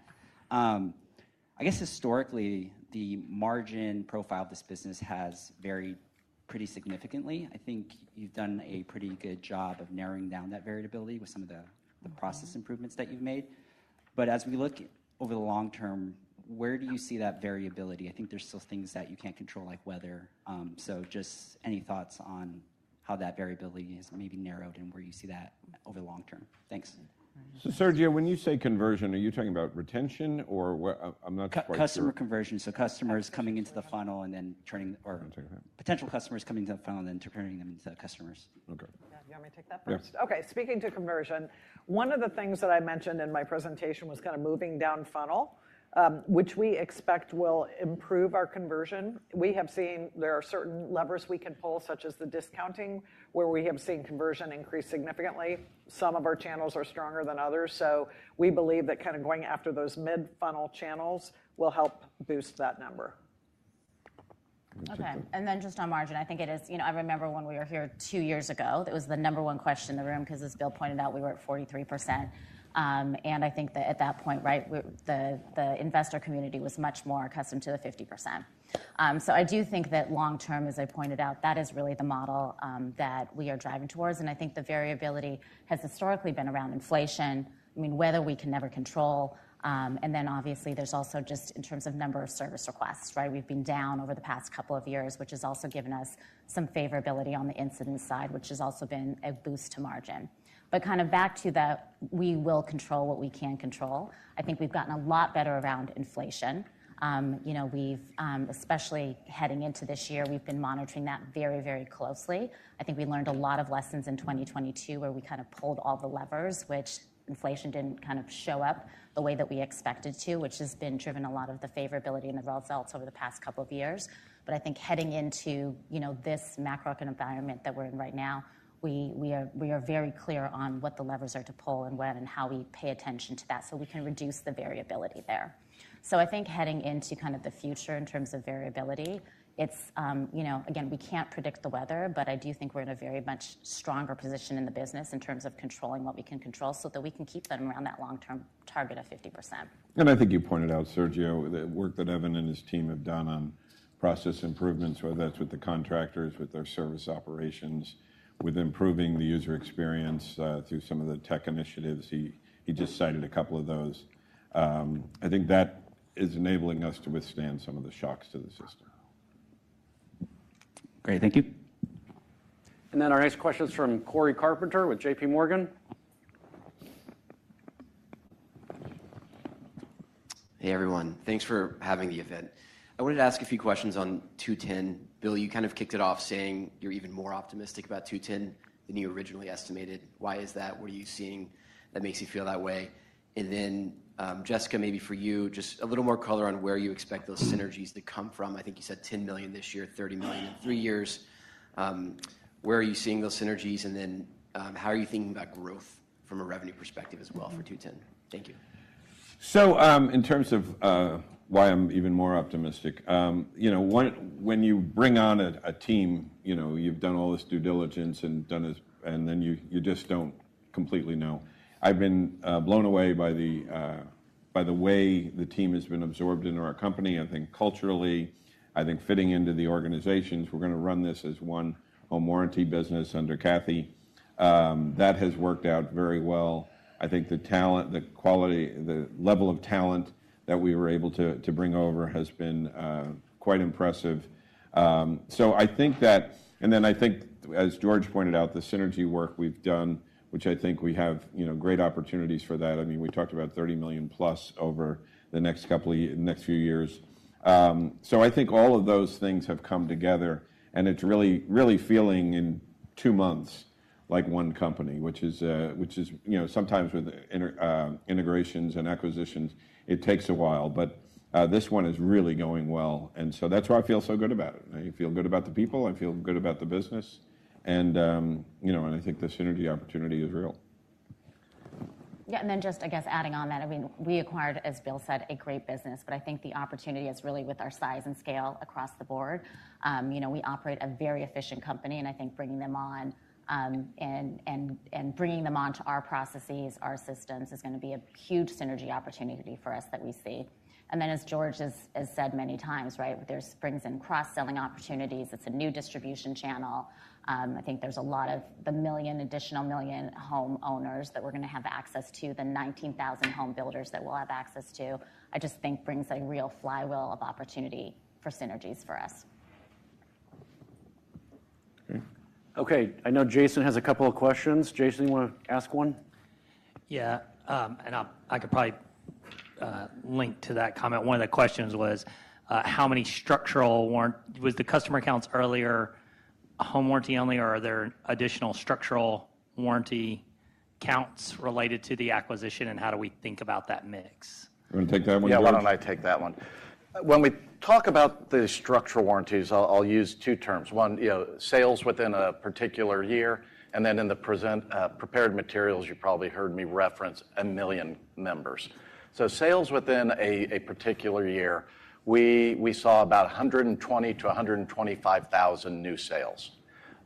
A: I guess historically the margin profile of this business has varied pretty significantly. I think you've done a pretty good job of narrowing down that variability with some of the process improvements that you've made. But as we look over the long term, where do you see that variability? I think there's still things that you can't control like weather. So just any thoughts on how that variability is maybe narrowed and where you see that over the long term? Thanks.
B: So Sergio, when you say conversion, are you talking about retention or what? Customer conversion. So customers coming into the funnel and then turning or potential customers coming to the funnel and then customers. Okay.
E: Do you want me to take that first? Okay. Speaking to conversion, one of the things that I mentioned in my presentation was kind of moving down funnel, which we expect will improve our conversion. We have seen there are certain levers we can pull, such as the discounting, where we have seen conversion increase significantly. Some of our channels are stronger than others. So we believe that kind of going after those mid-funnel channels will help boost that number.
G: Okay. And then, just on margin, I think it is. You know, I remember when we were here two years ago. It was the number one question in the room because, as Bill pointed out, we were at 43%. And I think that at that point, right, the investor community was much more accustomed to the 50%. So I do think that long term, as I pointed out, that is really the model that we are driving towards. And I think the variability has historically been around inflation, I mean, which we can never control. And then obviously there's also just in terms of number of service requests, right? We've been down over the past couple of years, which has also given us some favorability on the incident side, which has also been a boost to margin, but kind of back to that, we will control what we can control. I think we've gotten a lot better around inflation. You know, we've especially heading into this year, we've been monitoring that very, very closely. I think we learned a lot of lessons in 2022, where we kind of pulled all the levers which inflation didn't kind of show up the way that we expected to, which has been driven a lot of the favorability in the results over the past couple of years. But I think heading into you know this macro environment that we're in right now, we are very clear on what the levers are to pull and when and how we pay attention to that so we can reduce the variability there. So I think heading into kind of the future in terms of variability, it's, you know, again, we can't predict the weather, but I do think we're in a very much stronger position in the business in terms of controlling what we can control so that we can keep them around that long term target of 50%.
B: I think you pointed out, Sergio, the work that Evan and his team have done on process improvements, whether that's with the contractors, with their service operations, with improving the user experience through some of the tech initiatives. He just cited a couple of those. I think that is enabling us to withstand some of the shocks to the system. Great, thank you.
A: And then our next question is from Cory Carpenter with JPMorgan.
H: Hey everyone, thanks for having the event. I wanted to ask a few questions on 2-10. Bill, you kind of kicked it off. Saying you're even more optimistic about 2-10 than you originally estimated. Why is that? What are you seeing that makes you feel that way? And then, Jessica, maybe for you, just a little more color on where you expect those synergies to come from. I think you said $10 million this year, $30 million in three years. Where are you seeing those synergies? And then how are you thinking about growth from a revenue perspective as well for 2-10? Thank you.
B: So in terms of why I'm even more optimistic, you know, when you bring on a team, you know, you've done all this due diligence and done, and then you just don't completely know. I've been blown away by the way the team has been absorbed into our company. I think culturally, I think fitting into the organizations, we're going to run this as one home warranty business under Kathy, that has worked out very well. I think the talent, the quality, the level of talent that we were able to bring over has been quite impressive. So I think that. And then I think as George pointed out, the synergy work we've done, which I think we have, you know, great opportunities for that. I mean, we talked about $30 million+ over the next few years. So I think all of those things have come together and it's really, really feeling in two months like one company, which is, you know, sometimes with integrations and acquisitions it takes a while, but this one is really going well. And so that's why I feel so good about it. You feel good about the people, I feel good about the business. And you know, and I think the synergy opportunity is real.
G: Yeah. And then just I guess adding on that, I mean, we acquired, as Bill said, a great business. But I think the opportunity is really with our size and scale across the board, you know, we operate a very efficient company and I think bringing them on and bringing them onto our processes, our systems is going to be a huge synergy opportunity for us that we see. And then as George has said many times right there brings in cross-selling opportunities. It's a new distribution channel. I think there's a lot of the additional million homeowners that we're going to have access to, the 19,000 home builders that we'll have access to. I just think brings a real flywheel of opportunity for synergies for us.
A: Okay. I know Jason has a couple of questions. Jason, you want to ask one?
I: Yeah, and I could probably link to that comment. One of the questions was how many structural warranties were in the customer counts earlier? Home warranty only, or are there additional structural warranty counts related to the acquisition? And how do we think about that mix?
B: Do you want to take that one, George?
D: Yeah, why don't I take that one? When we talk about the structural warranties, I'll use two terms. One, sales within a particular year and then in the prepared materials, you probably heard me reference a million members. So sales within a particular year. We saw about 120,00-125,000 new sales.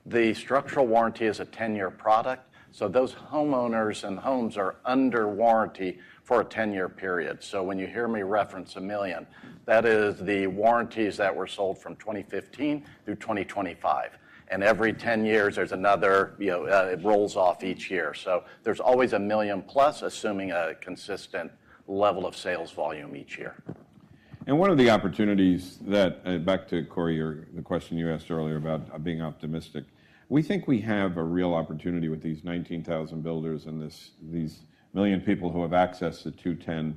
D: The structural warranty is a 10-year product. So those homeowners and homes are under warranty for a 10-year period. So when you hear me reference a million, that is the warranties that were sold from 2015 through 2025. And every 10 years there's another, you know, it rolls off each year. So there's always a million plus, assuming a consistent level of sales volume each year.
B: Back to Cory, or the question you asked earlier about being optimistic. We think we have a real opportunity with these 19,000 builders and these million people who have access to 2-10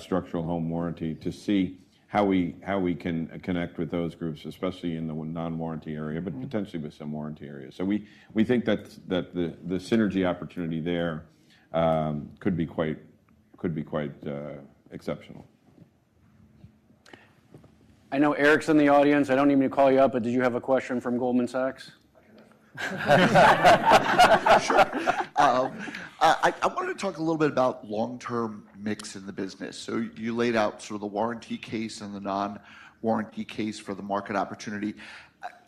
B: Structural Home Warranty to see how we can connect with those groups, especially in the non-warranty area, but potentially with some warranty areas. So we think that the synergy opportunity there. Could be quite exceptional.
A: I know Eric's in the audience. I don't need to call you up, but did you have a question from Goldman Sachs? Sure. I wanted to talk a little bit about long-term mix in the business, so you laid out sort of the warranty case and the non-warranty case. For the market opportunity.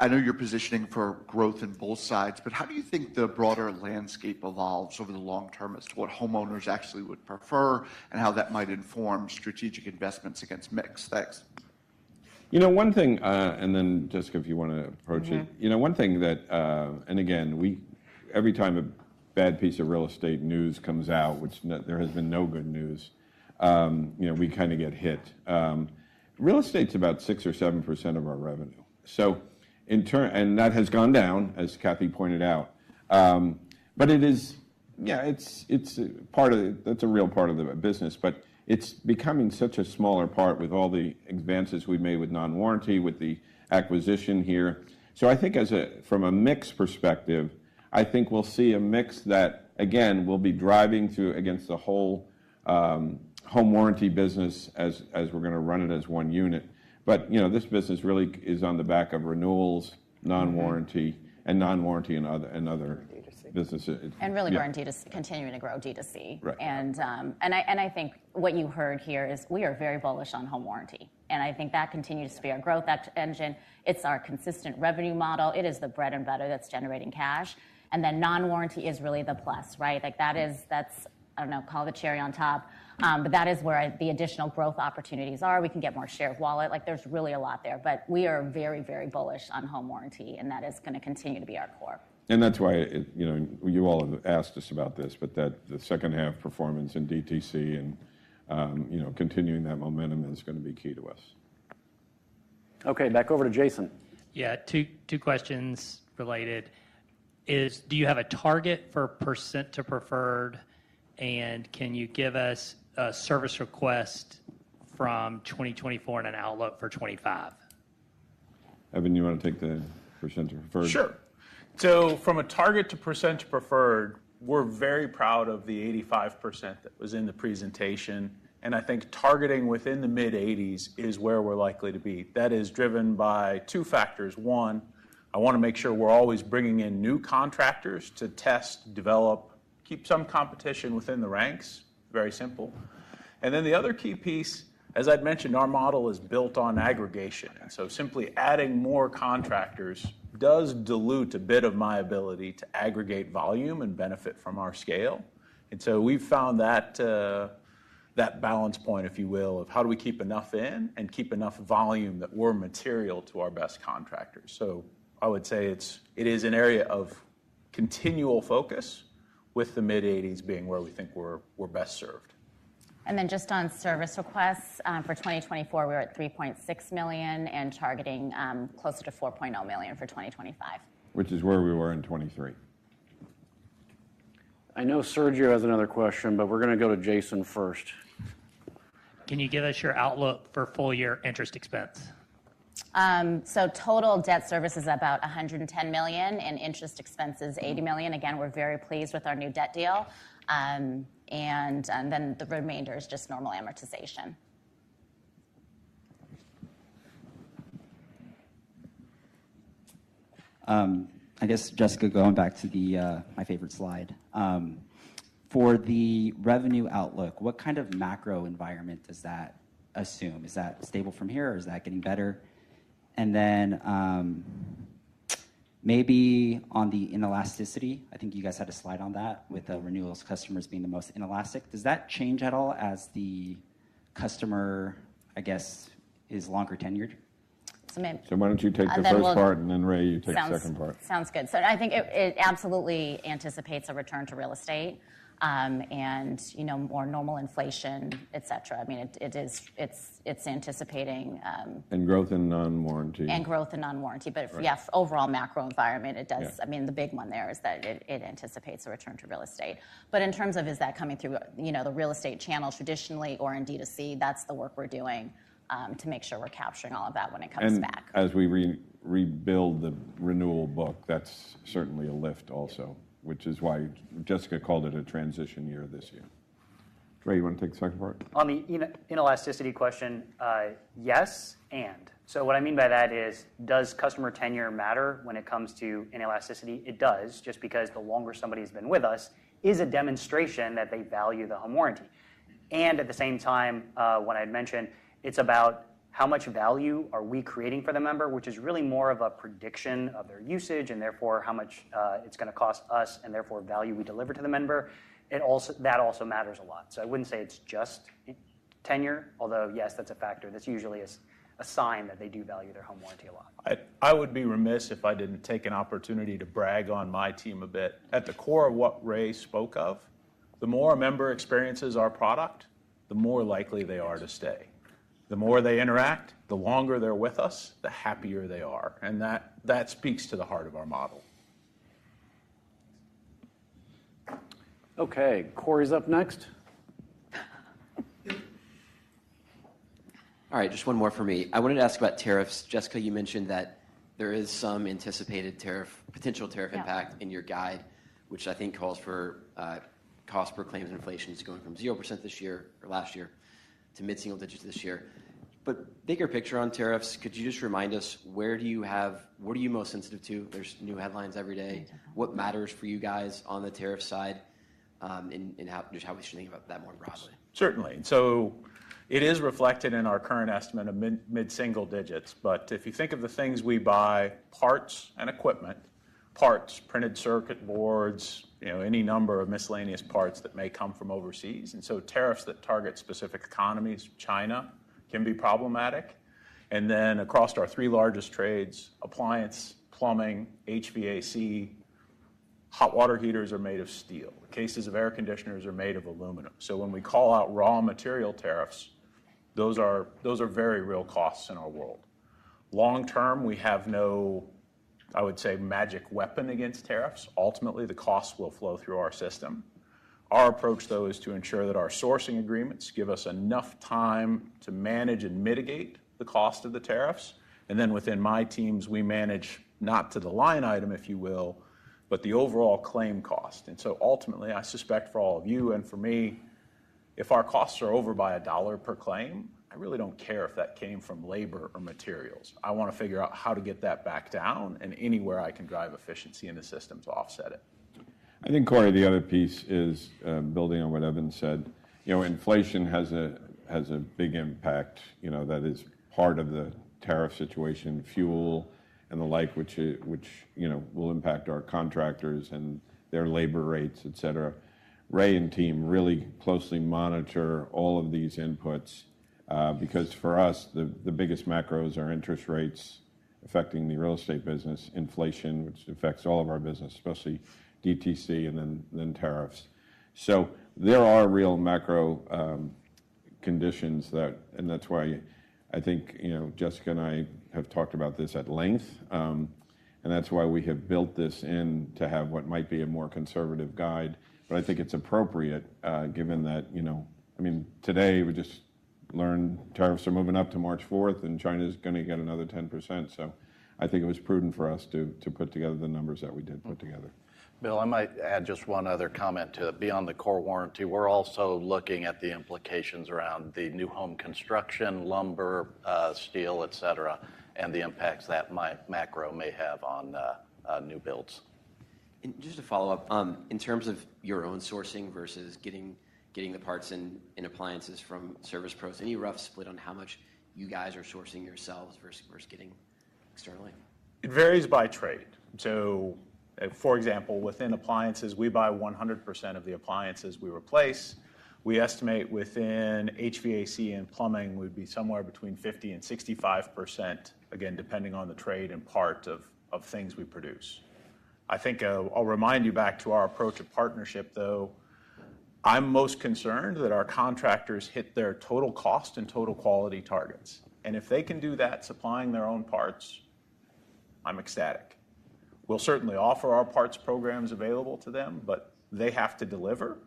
A: I know you're positioning for growth in both sides, but how do you think the broader landscape evolves over the long term as to what homeowners actually would prefer and how that might inform. Strategic investments against mix? Thanks.
B: You know, one thing and then Jessica, if you want to approach it, you know, one thing that, and again we, every time a bad piece of real estate news comes out, which there has been no good news, you know, we kind of get hit. Real estate is about 6% or 7% of our revenue. So in turn, and that has gone down and as Kathy pointed out, but it is, yeah, it's part of, that's a real part of the business. But it's becoming such a smaller part with all the advances we've made with non-warranty with the acquisition here. So I think from a mix perspective, I think we'll see a mix that again will be driving through against the whole home warranty business as we're going to run it as one unit. But you know, this business really is on the back of renewals, non-warranty and other. Businesses.
G: And really continuing to grow D2C, and I think what you heard here is we are very bullish on home warranty, and I think that continues to be our growth engine. It's our consistent revenue model. It is the bread and butter that's generating cash. And then non-warranty is really the plus. Right. Like that is, that's, I don't know, call it the cherry on top, but that is where the additional growth opportunities are. We can get more share of wallet. Like there's really a lot there. But we are very, very bullish on home warranty. And that is going to continue to be our core.
B: That's why, you know, you all have asked us about this but that the second half performance in DTC and you know, continuing that momentum is going to be key to us.
A: Okay. Back over to Jason.
I: Yeah, two questions related is do you have a target for percentage preferred and can you give us a service request from 2024 and an outlook for 2025?
B: Evan, you want to take the percentage preferred?
F: Sure. From a targeted percent preferred, we're very proud of the 85% that was in the presentation. I think targeting within the mid-80s is where we're likely to be. That is driven by two factors. One, I want to make sure we're always bringing in new contractors to test, develop, keep some competition within the ranks, very simple. The other key piece, as I'd mentioned, our model is built on aggregation. Simply adding more contractors does dilute a bit of my ability to aggregate volume and benefit from our scale. We've found that balance point, if you will, of how do we keep enough in and keep enough volume, that material to our best contractors. It is an area of continual focus with the mid-80s being where we think we're best served.
G: Just on service requests for 2024, we were at $3.6 million and targeting closer to $4.0 million for 2025.
B: Which is where we were in 2023.
A: I know Sergio has another question, but we're going to go to Jason first.
I: Can you give us your outlook for full-year interest expense?
G: Total debt service is about $110 million and interest expenses $80 million. Again, we're very pleased with our new debt deal. Then the remainder is just normal amortization. I guess. Jessica, going back to my favorite slide. For the revenue outlook, what kind of macro environment does that assume? Is that stable from here or is that getting better? And then. Maybe on the inelasticity, I think you guys had a slide on that with renewals customers being the most inelastic. Does that change at all as the customer I guess is longer tenured?
B: So why don't you take the first part? And then Ray, you take the second part.
G: Sounds good. So I think it absolutely anticipates a return to real estate and you know, more normal inflation, etc. I mean it is, it's, it's anticipating.
B: And growth in non-warranty.
G: And growth in non-warranty. But yes, overall macro environment it does. I mean the big one there is that it anticipates a return to real estate. But in terms of is that coming through, you know, the real estate channel traditionally or in D2C, that's the work we're doing to make sure we're capturing all of that when it comes back.
B: As we rebuild the renewal book, that's certainly a lift also, which is why Jessica called it a transition year this year. Ray, do you want to take the second part?
C: On the inelasticity question, yes. And so what I mean by that is, does customer tenure matter when it comes to inelasticity? It does. Just because the longer somebody has been with us is a demonstration that they value the home warranty. And at the same time, when I mentioned it's about how much value are we creating for the member, which is really more of a prediction of their usage and therefore how much it's going to cost us and therefore value we deliver to the member, that also matters a lot. So I wouldn't say it's just tenure. Although, yes, that's a factor. That's usually a sign that they do value their home warranty a lot.
F: I would be remiss if I didn't take an opportunity to brag on my team a bit. At the core of what Ray spoke of, the more a member experiences our product, the more likely they are to stay. The more they interact, the longer they're with us, the happier they are, and that, that speaks to the heart of our model.
A: Okay. Cory is up next.
H: All right, just one more for me. I wanted to ask about tariffs. Jessica, you mentioned that there is some anticipated tariff, potential tariff impact in your guide, which I think calls for cost per claims. Inflation is going from 0% this year or last year to mid-single digits this year. But bigger picture on tariffs, could you? Just remind us, where do you have? What are you most sensitive to? There's new headlines every day. What matters for you guys on the tariff side and how we should think about that more broadly?
F: Certainly. So it is reflected in our current estimate of mid-single digits, but if you think of the things we buy, parts and equipment, parts, printed circuit boards, any number of miscellaneous parts that may come from overseas. And so tariffs that target specific economies, China, can be problematic. And then across our three largest trades, appliance, plumbing, HVAC. Hot water heaters are made of steel. Cases of air conditioners are made of aluminum so when we call out raw material tariffs, those are, those are very real costs in our world. Long term, we have no, I would say, magic weapon against tariffs. Ultimately, the costs will flow through our system. Our approach though is to ensure that our sourcing agreements give us enough time to manage and mitigate the cost of the tariffs, and then within my teams, we manage, not to the line item, if you will, but the overall claim cost. And so ultimately, I suspect for all of you and for me, if our costs are over by a dollar per claim, I really don't care if that. Came from labor or materials. I want to figure out how to get that back down and anywhere I can drive efficiency in the systems offset it.
B: I think. Cory, the other piece is building on what Evan said. Inflation has a big impact. That is part of the tariff situation, fuel and the like, which, which you know, will impact our contractors and their labor rates, et cetera. Ray and team really closely monitor all of these inputs because for us the biggest macros are interest rates affecting the real estate business, inflation which affects all of our business, especially DTC and then tariffs. So there are real macro conditions that. And that's why I think, you know, Jessica and I have talked about this at length and that's why we have built this in to have what might be a more conservative guide. But I think it's appropriate given that, you know, I mean, today we just learned tariffs are moving up to March 4th and China is going to get another 10%. I think it was prudent for us to put together the numbers that we did put together.
D: Bill, I might add just one other comment to Bill on the core warranty. We're also looking at the implications around the new home construction, lumber, steel, et cetera, and the impacts that macro may have on new builds.
H: Just a follow-up. In terms of your own sourcing versus. Getting the parts and appliances from. Service pros, any rough split on how? Much are you guys sourcing yourselves versus getting externally?
F: It varies by trade. So for example, within appliances we buy 100% of the appliances we replace. We estimate within HVAC and plumbing would be somewhere between 50%-65% again, depending on the trade and part of things we produce. I think I'll remind you back to our approach of partnership though. I'm most concerned that our contractors hit their total cost in terms of total quality targets and if they can do that, supplying their own parts, I'm ecstatic. We'll certainly offer our parts programs available to them, but they have to deliver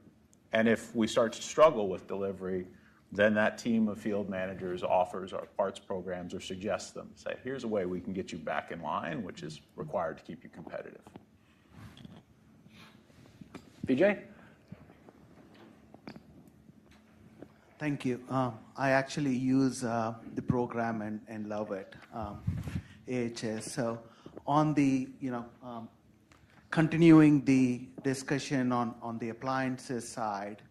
F: and if we start to struggle with delivery, then that team of field managers offers our parts programs or suggests them, say, here's a way we can get you back in line which is required to keep you competitive.
A: Vijay? Thank you. I actually use the program and love it, AHS. So on the, you know, continuing the discussion on the appliances side,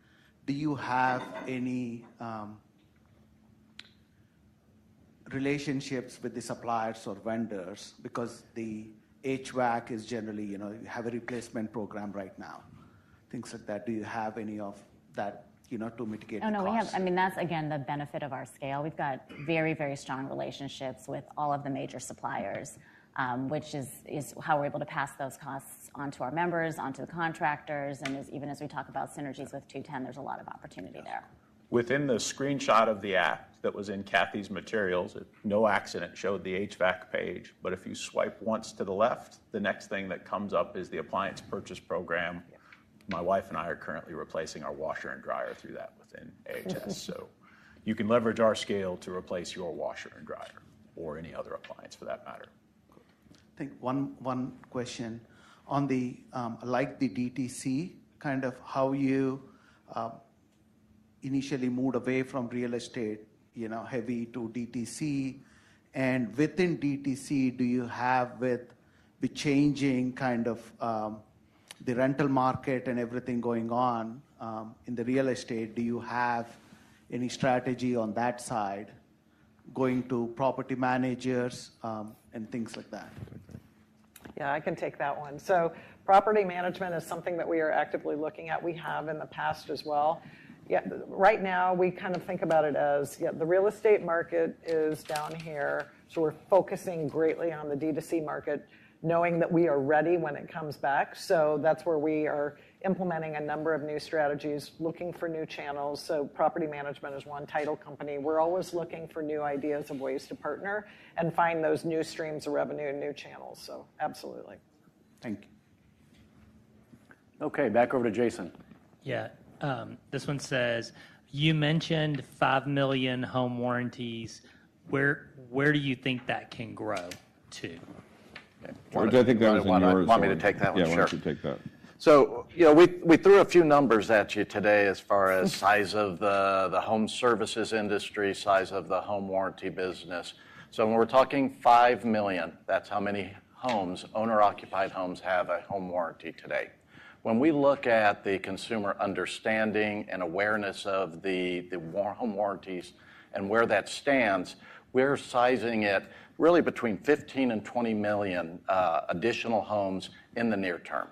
A: do you have any? Relationships with the suppliers or vendors because the HVAC is. Just generally, you know, have a replacement program right now, things like that. Do you have any of that, you know? To mitigate the costs?
G: Oh, no, we have. I mean, that's again the benefit of our scale. We've got very, very strong relationships with all of the major suppliers, which is how we're able to pass those costs onto our members, onto the contractors. And even as we talk about synergies with 2-10, there's a lot of opportunity there.
F: Within the screenshot of the app that was in Kathy's materials, it showed the HVAC page, but if you swipe once to the left, the next thing that comes up is the appliance purchase program. My wife and I are currently replacing our washer and dryer through that within AHS. So you can leverage our scale to replace your washer and dryer or any other appliance for that matter. I think one question on the, like the DTC kind of how you. Initially moved away from real estate, you know. Heavy to DTC and within DTC. Do you have, with the changing kind of the rental market and everything going on? In the real estate, do you have? Any strategy on that side going to property managers and things like that?
E: Yeah, I can take that one. So property management is something that we are actively looking at. We have in the past as well. Yeah. Right now we kind of think about it as yet the real estate market is down here. So we're focusing greatly on the D2C market, knowing that we are ready when it comes back. So that's where we are implementing a number of new strategies, looking for new channels. So property management is one title company. We're always looking for new ideas of ways to partner and find those new streams of revenue in new channels. So. Absolutely. Thank you.
A: Okay. Back over to Jason.
I: Yeah. This one says you mentioned five million home warranties. Where, where do you think that can grow to?
D: Do you want me to take that one? Sure. You know, we threw a few numbers at you today as far as size of the home services industry, size of the home warranty business. So we're talking five million. That's how many homes, owner-occupied homes have a home warranty today. When we look at the consumer understanding and awareness of the home warranties and where that stands, we're sizing it really between 15 million and 20 million additional homes in the near term.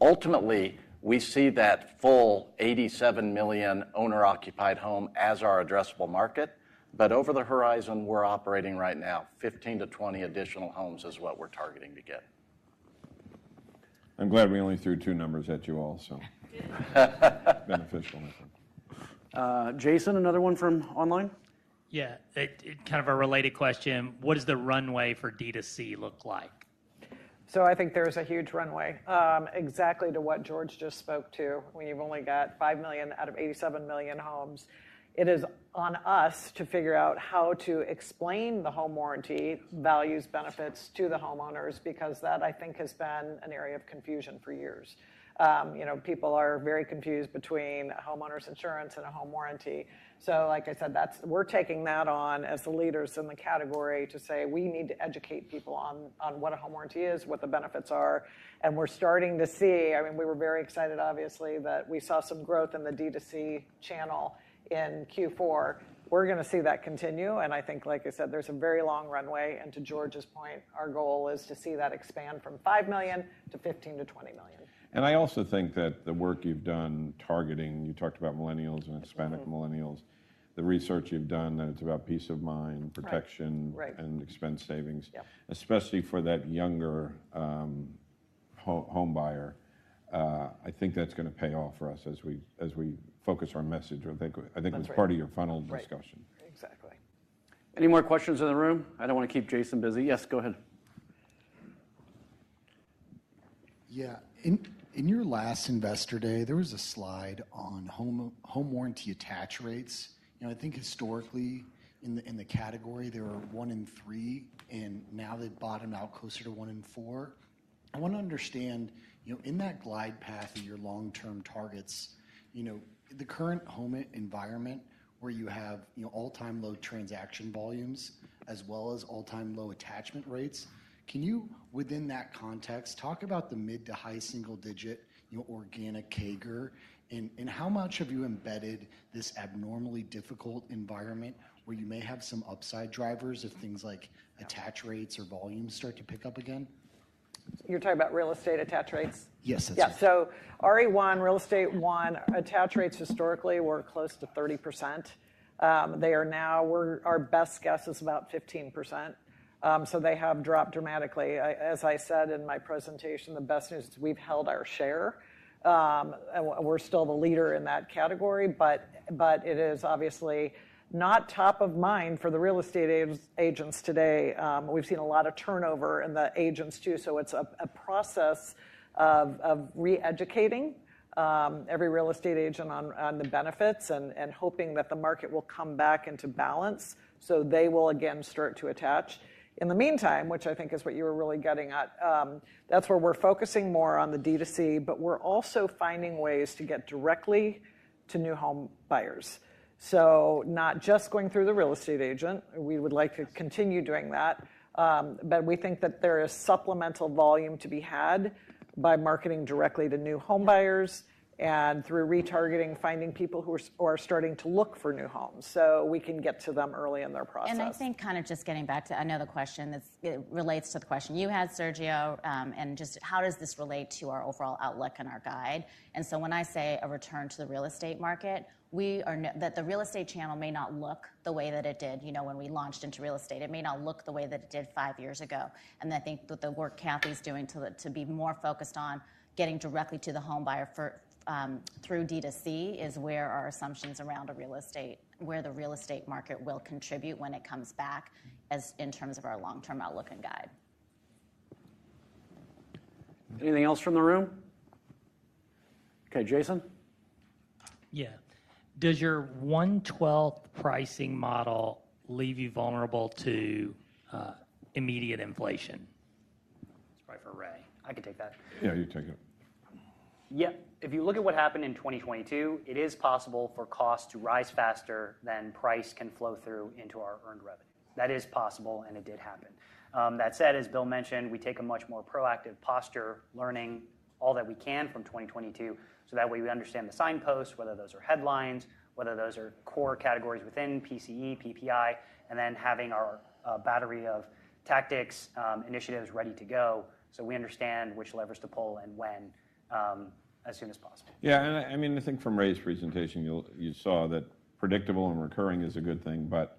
D: Ultimately we see that full 87 million owner-occupied homes as our addressable market. But over the horizon, we're operating right now 15 to 20 additional homes is what we're targeting to get.
B: I'm glad we only threw two numbers at you also. Beneficial.
A: Jason, another one from online?
I: Yeah. Kind of a related question. What does the runway for D2C look like?
E: I think there's a huge runway exactly to what George just spoke to. When you've only got five million out of 87 million homes, it is on us to figure out how to explain the home warranty values, benefits to the homeowners because that I think has been an area of confusion for years. You know, people are very confused between homeowners insurance and a home warranty. Like I said, that's, we're taking that on as the leaders in the category to say we need to educate people on, on what a home warranty is, what the benefits are. We're starting to see, I mean, we were very excited obviously that we saw some growth in the D2C channel in Q4. We're going to see that continue. I think, like I said, there's a very long runway. To George's point, our goal is to see that expand from five million to 15 million-20 million.
B: And I also think that the work you've done, targeting, you talked about Millennials and Hispanic Millennials, the research you've done. It's about peace of mind, protection, and expense savings, especially for that younger. Homebuyer, I think that's going to pay off for us as we focus our message. I think it was part of your funnel discussion.
E: Exactly.
A: Any more questions in the room? I don't want to keep Jason busy. Yes, go ahead. Yeah. In your last Investor Day, there was a slide on home warranty attach rates. You know, I think historically in the category there are one in. Three and now they've bottomed out closer to one in four. I want to understand, you know, in that glide path and your long-term. Targets, you know, the current home environment where you have, you know, all-time low transaction volumes as well as all. All-time low attachment rates. Can you, within that context, talk about the mid- to high-single-digit organic? CAGR and how much have you embedded? This abnormally difficult environment where you may have some upside drivers if things like attach rates or volumes start to pick up again?
E: You're talking about real estate attach rates? Yes. Real estate attach rates historically were close to 30%. They are now, our best guess is about 15%. They have dropped dramatically. As I said in my presentation, the best news is we've held our share. We're still the leader in that category, but it is obviously not top of mind for the real estate agents today. We've seen a lot of turnover in the agents too. So it's a process of re-educating every real estate agent on the benefits and hoping that the market will come back into balance so they will again start to attach. In the meantime, which I think is what you were really getting at, that's where we're focusing more on the D2C but we're also finding ways to get directly to new homebuyers. So, not just going through the real estate agent, we would like to continue doing that, but we think that there is supplemental volume to be had by marketing directly to new homebuyers and through retargeting, finding people who are starting to look for new homes so we can get to them early in their process.
G: I think, kind of, just getting back to another question that relates to the question you had, Sergio, and just how does this relate to our overall outlook and our guide, so when I say a return to the real estate market, we are that the real estate channel may not look the way that it did, you know, when we launched into real estate. It may not look the way that it did five years ago. I think that the work Kathy's doing to be more focused on getting directly to the homebuyer through D2C is where our assumptions around a real estate where the real estate market will contribute when it comes back as in terms of our long-term outlook and guide.
A: Anything else from the room? Okay. Jason?
I: Yeah. Does your one-twelfth pricing model leave you vulnerable to immediate inflation? That's right for Ray.
C: I could take that.
B: Yeah, you take it.
C: Yeah. If you look at what happened in 2022, it is possible for cost to rise faster than price can flow through into our earned revenue. That is possible and it did happen. That said, as Bill mentioned, we take a much more proactive posture learning all that we can from 2022. So that way we understand the signposts, whether those are headlines, whether those are core categories within PCE, PPI and then having our battery of tactics initiatives ready to go so we understand which levers to pull and when as soon as possible.
B: Yeah. And I mean I think from Ray's presentation you saw that predictable and recurring is a good thing. But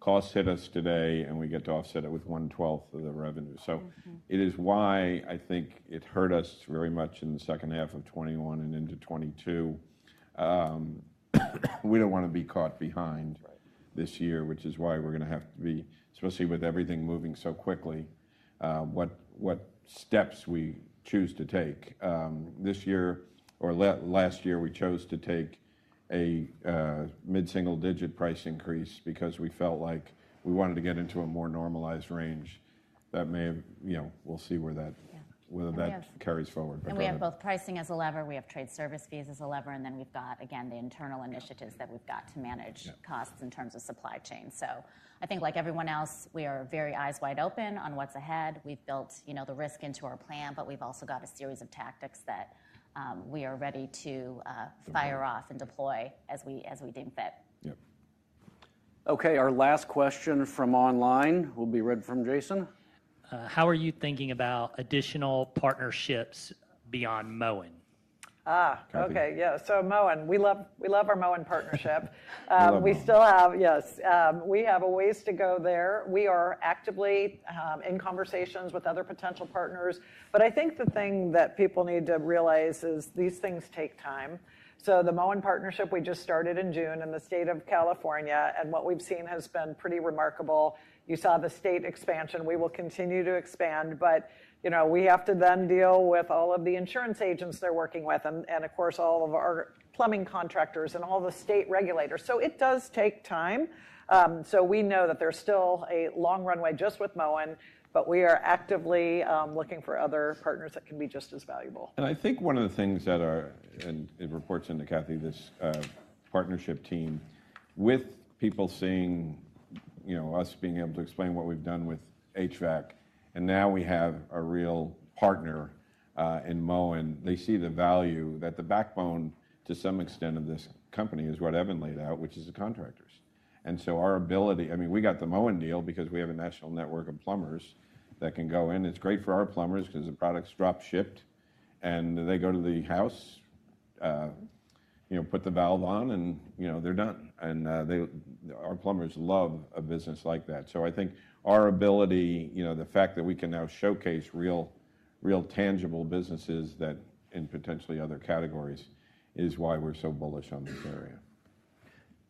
B: costs hit us today and we get to offset it with 1/12 of the revenue. So it is why I think it hurt us very much in the second half of 2021 and into 2022. We don't want to be caught behind this year, which is why we're going to have to be, especially with everything moving so quickly what steps we choose to take. This year or last year, we chose to take a mid-single-digit price increase because we felt like we wanted to get into a more normalized range that may, you know, we'll see where that carries forward.
G: And we have both pricing as a lever. We have trade service fees as a lever, and then we've got again the internal initiatives that we've got to manage costs in terms of supply chain. So I think like everyone else, we are very eyes wide open on what's ahead. We've built, you know, the risk into our plan, but we've also got a series of tactics that we are ready to fire off and deploy as we deem fit.
B: Yep.
A: Okay. Our last question from online will be read from Jason.
I: How are you thinking about additional partnerships beyond Moen?
E: Ah, okay. Yeah. So Moen, we love, we love our Moen partnership. We still have, yes, we have a ways to go there. We are actively in conversations with other potential partners. But I think the thing that people need to realize is these things take time. So the Moen partnership we just started in June in the state of California and what we've seen has been pretty remarkable. You saw the state expansion, we will continue to expand but you know, we have to then deal with all of the insurance agents they're working with and of course all of our plumbing contractors and all the state regulators. So it does take time. So we know that there's still a long runway doing just with Moen, but we are actively looking for other partners that can be just as valuable.
B: I think one of the things that are, and it reports into Kathy, this partnership team with people seeing, you know, us being able to explain what we've done with HVAC and now we have a real partner in Moen. They see the value that the backbone to some extent of this company is what Evan laid out, which is contractors. And so our ability, I mean we got the Moen deal because we have a national network of plumbers that can go in. It's great for our plumbers because the products drop-shipped and they go to the house. You know, put the valve on and you know, they're done. And they, our plumbers love a business like that. So I think our ability, you know, the fact that we can now showcase real, real tangible businesses that in potentially other categories is why we're so bullish on this area.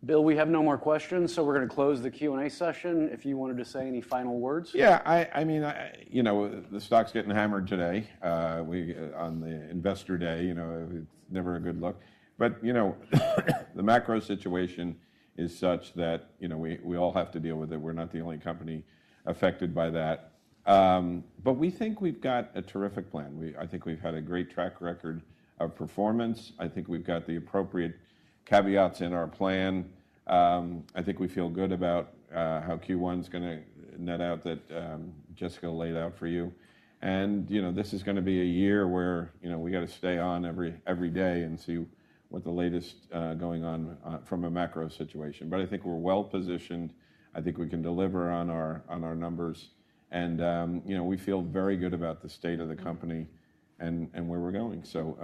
A: Bill, we have no more questions, so we're going to close the Q&A session. If you wanted to say any final words?
B: Yeah. I mean, you know, the stock's getting hammered today on the Investor Day. You know, never a good look. But, you know, the macro situation is such that, you know, we all have to deal with it. We're not the only company affected by that. But we think we've got a terrific plan. I think we've had a great track record of performance. I think we've got the appropriate caveats in our plan. I think we feel good about how Q1's going to net out that Jessica laid out for you. And this is going to be a year where we got to stay on every day and see what the latest going on from a macro situation. But I think we're well positioned. I think we can deliver on our numbers and we feel very good about the state of the company and where we're going. So,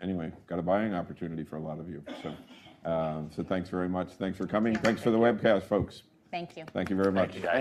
B: anyway, got a buying opportunity for a lot of you. So thanks very much. Thanks for coming. Thanks for the webcast, folks.
G: Thank you.
B: Thank you very much.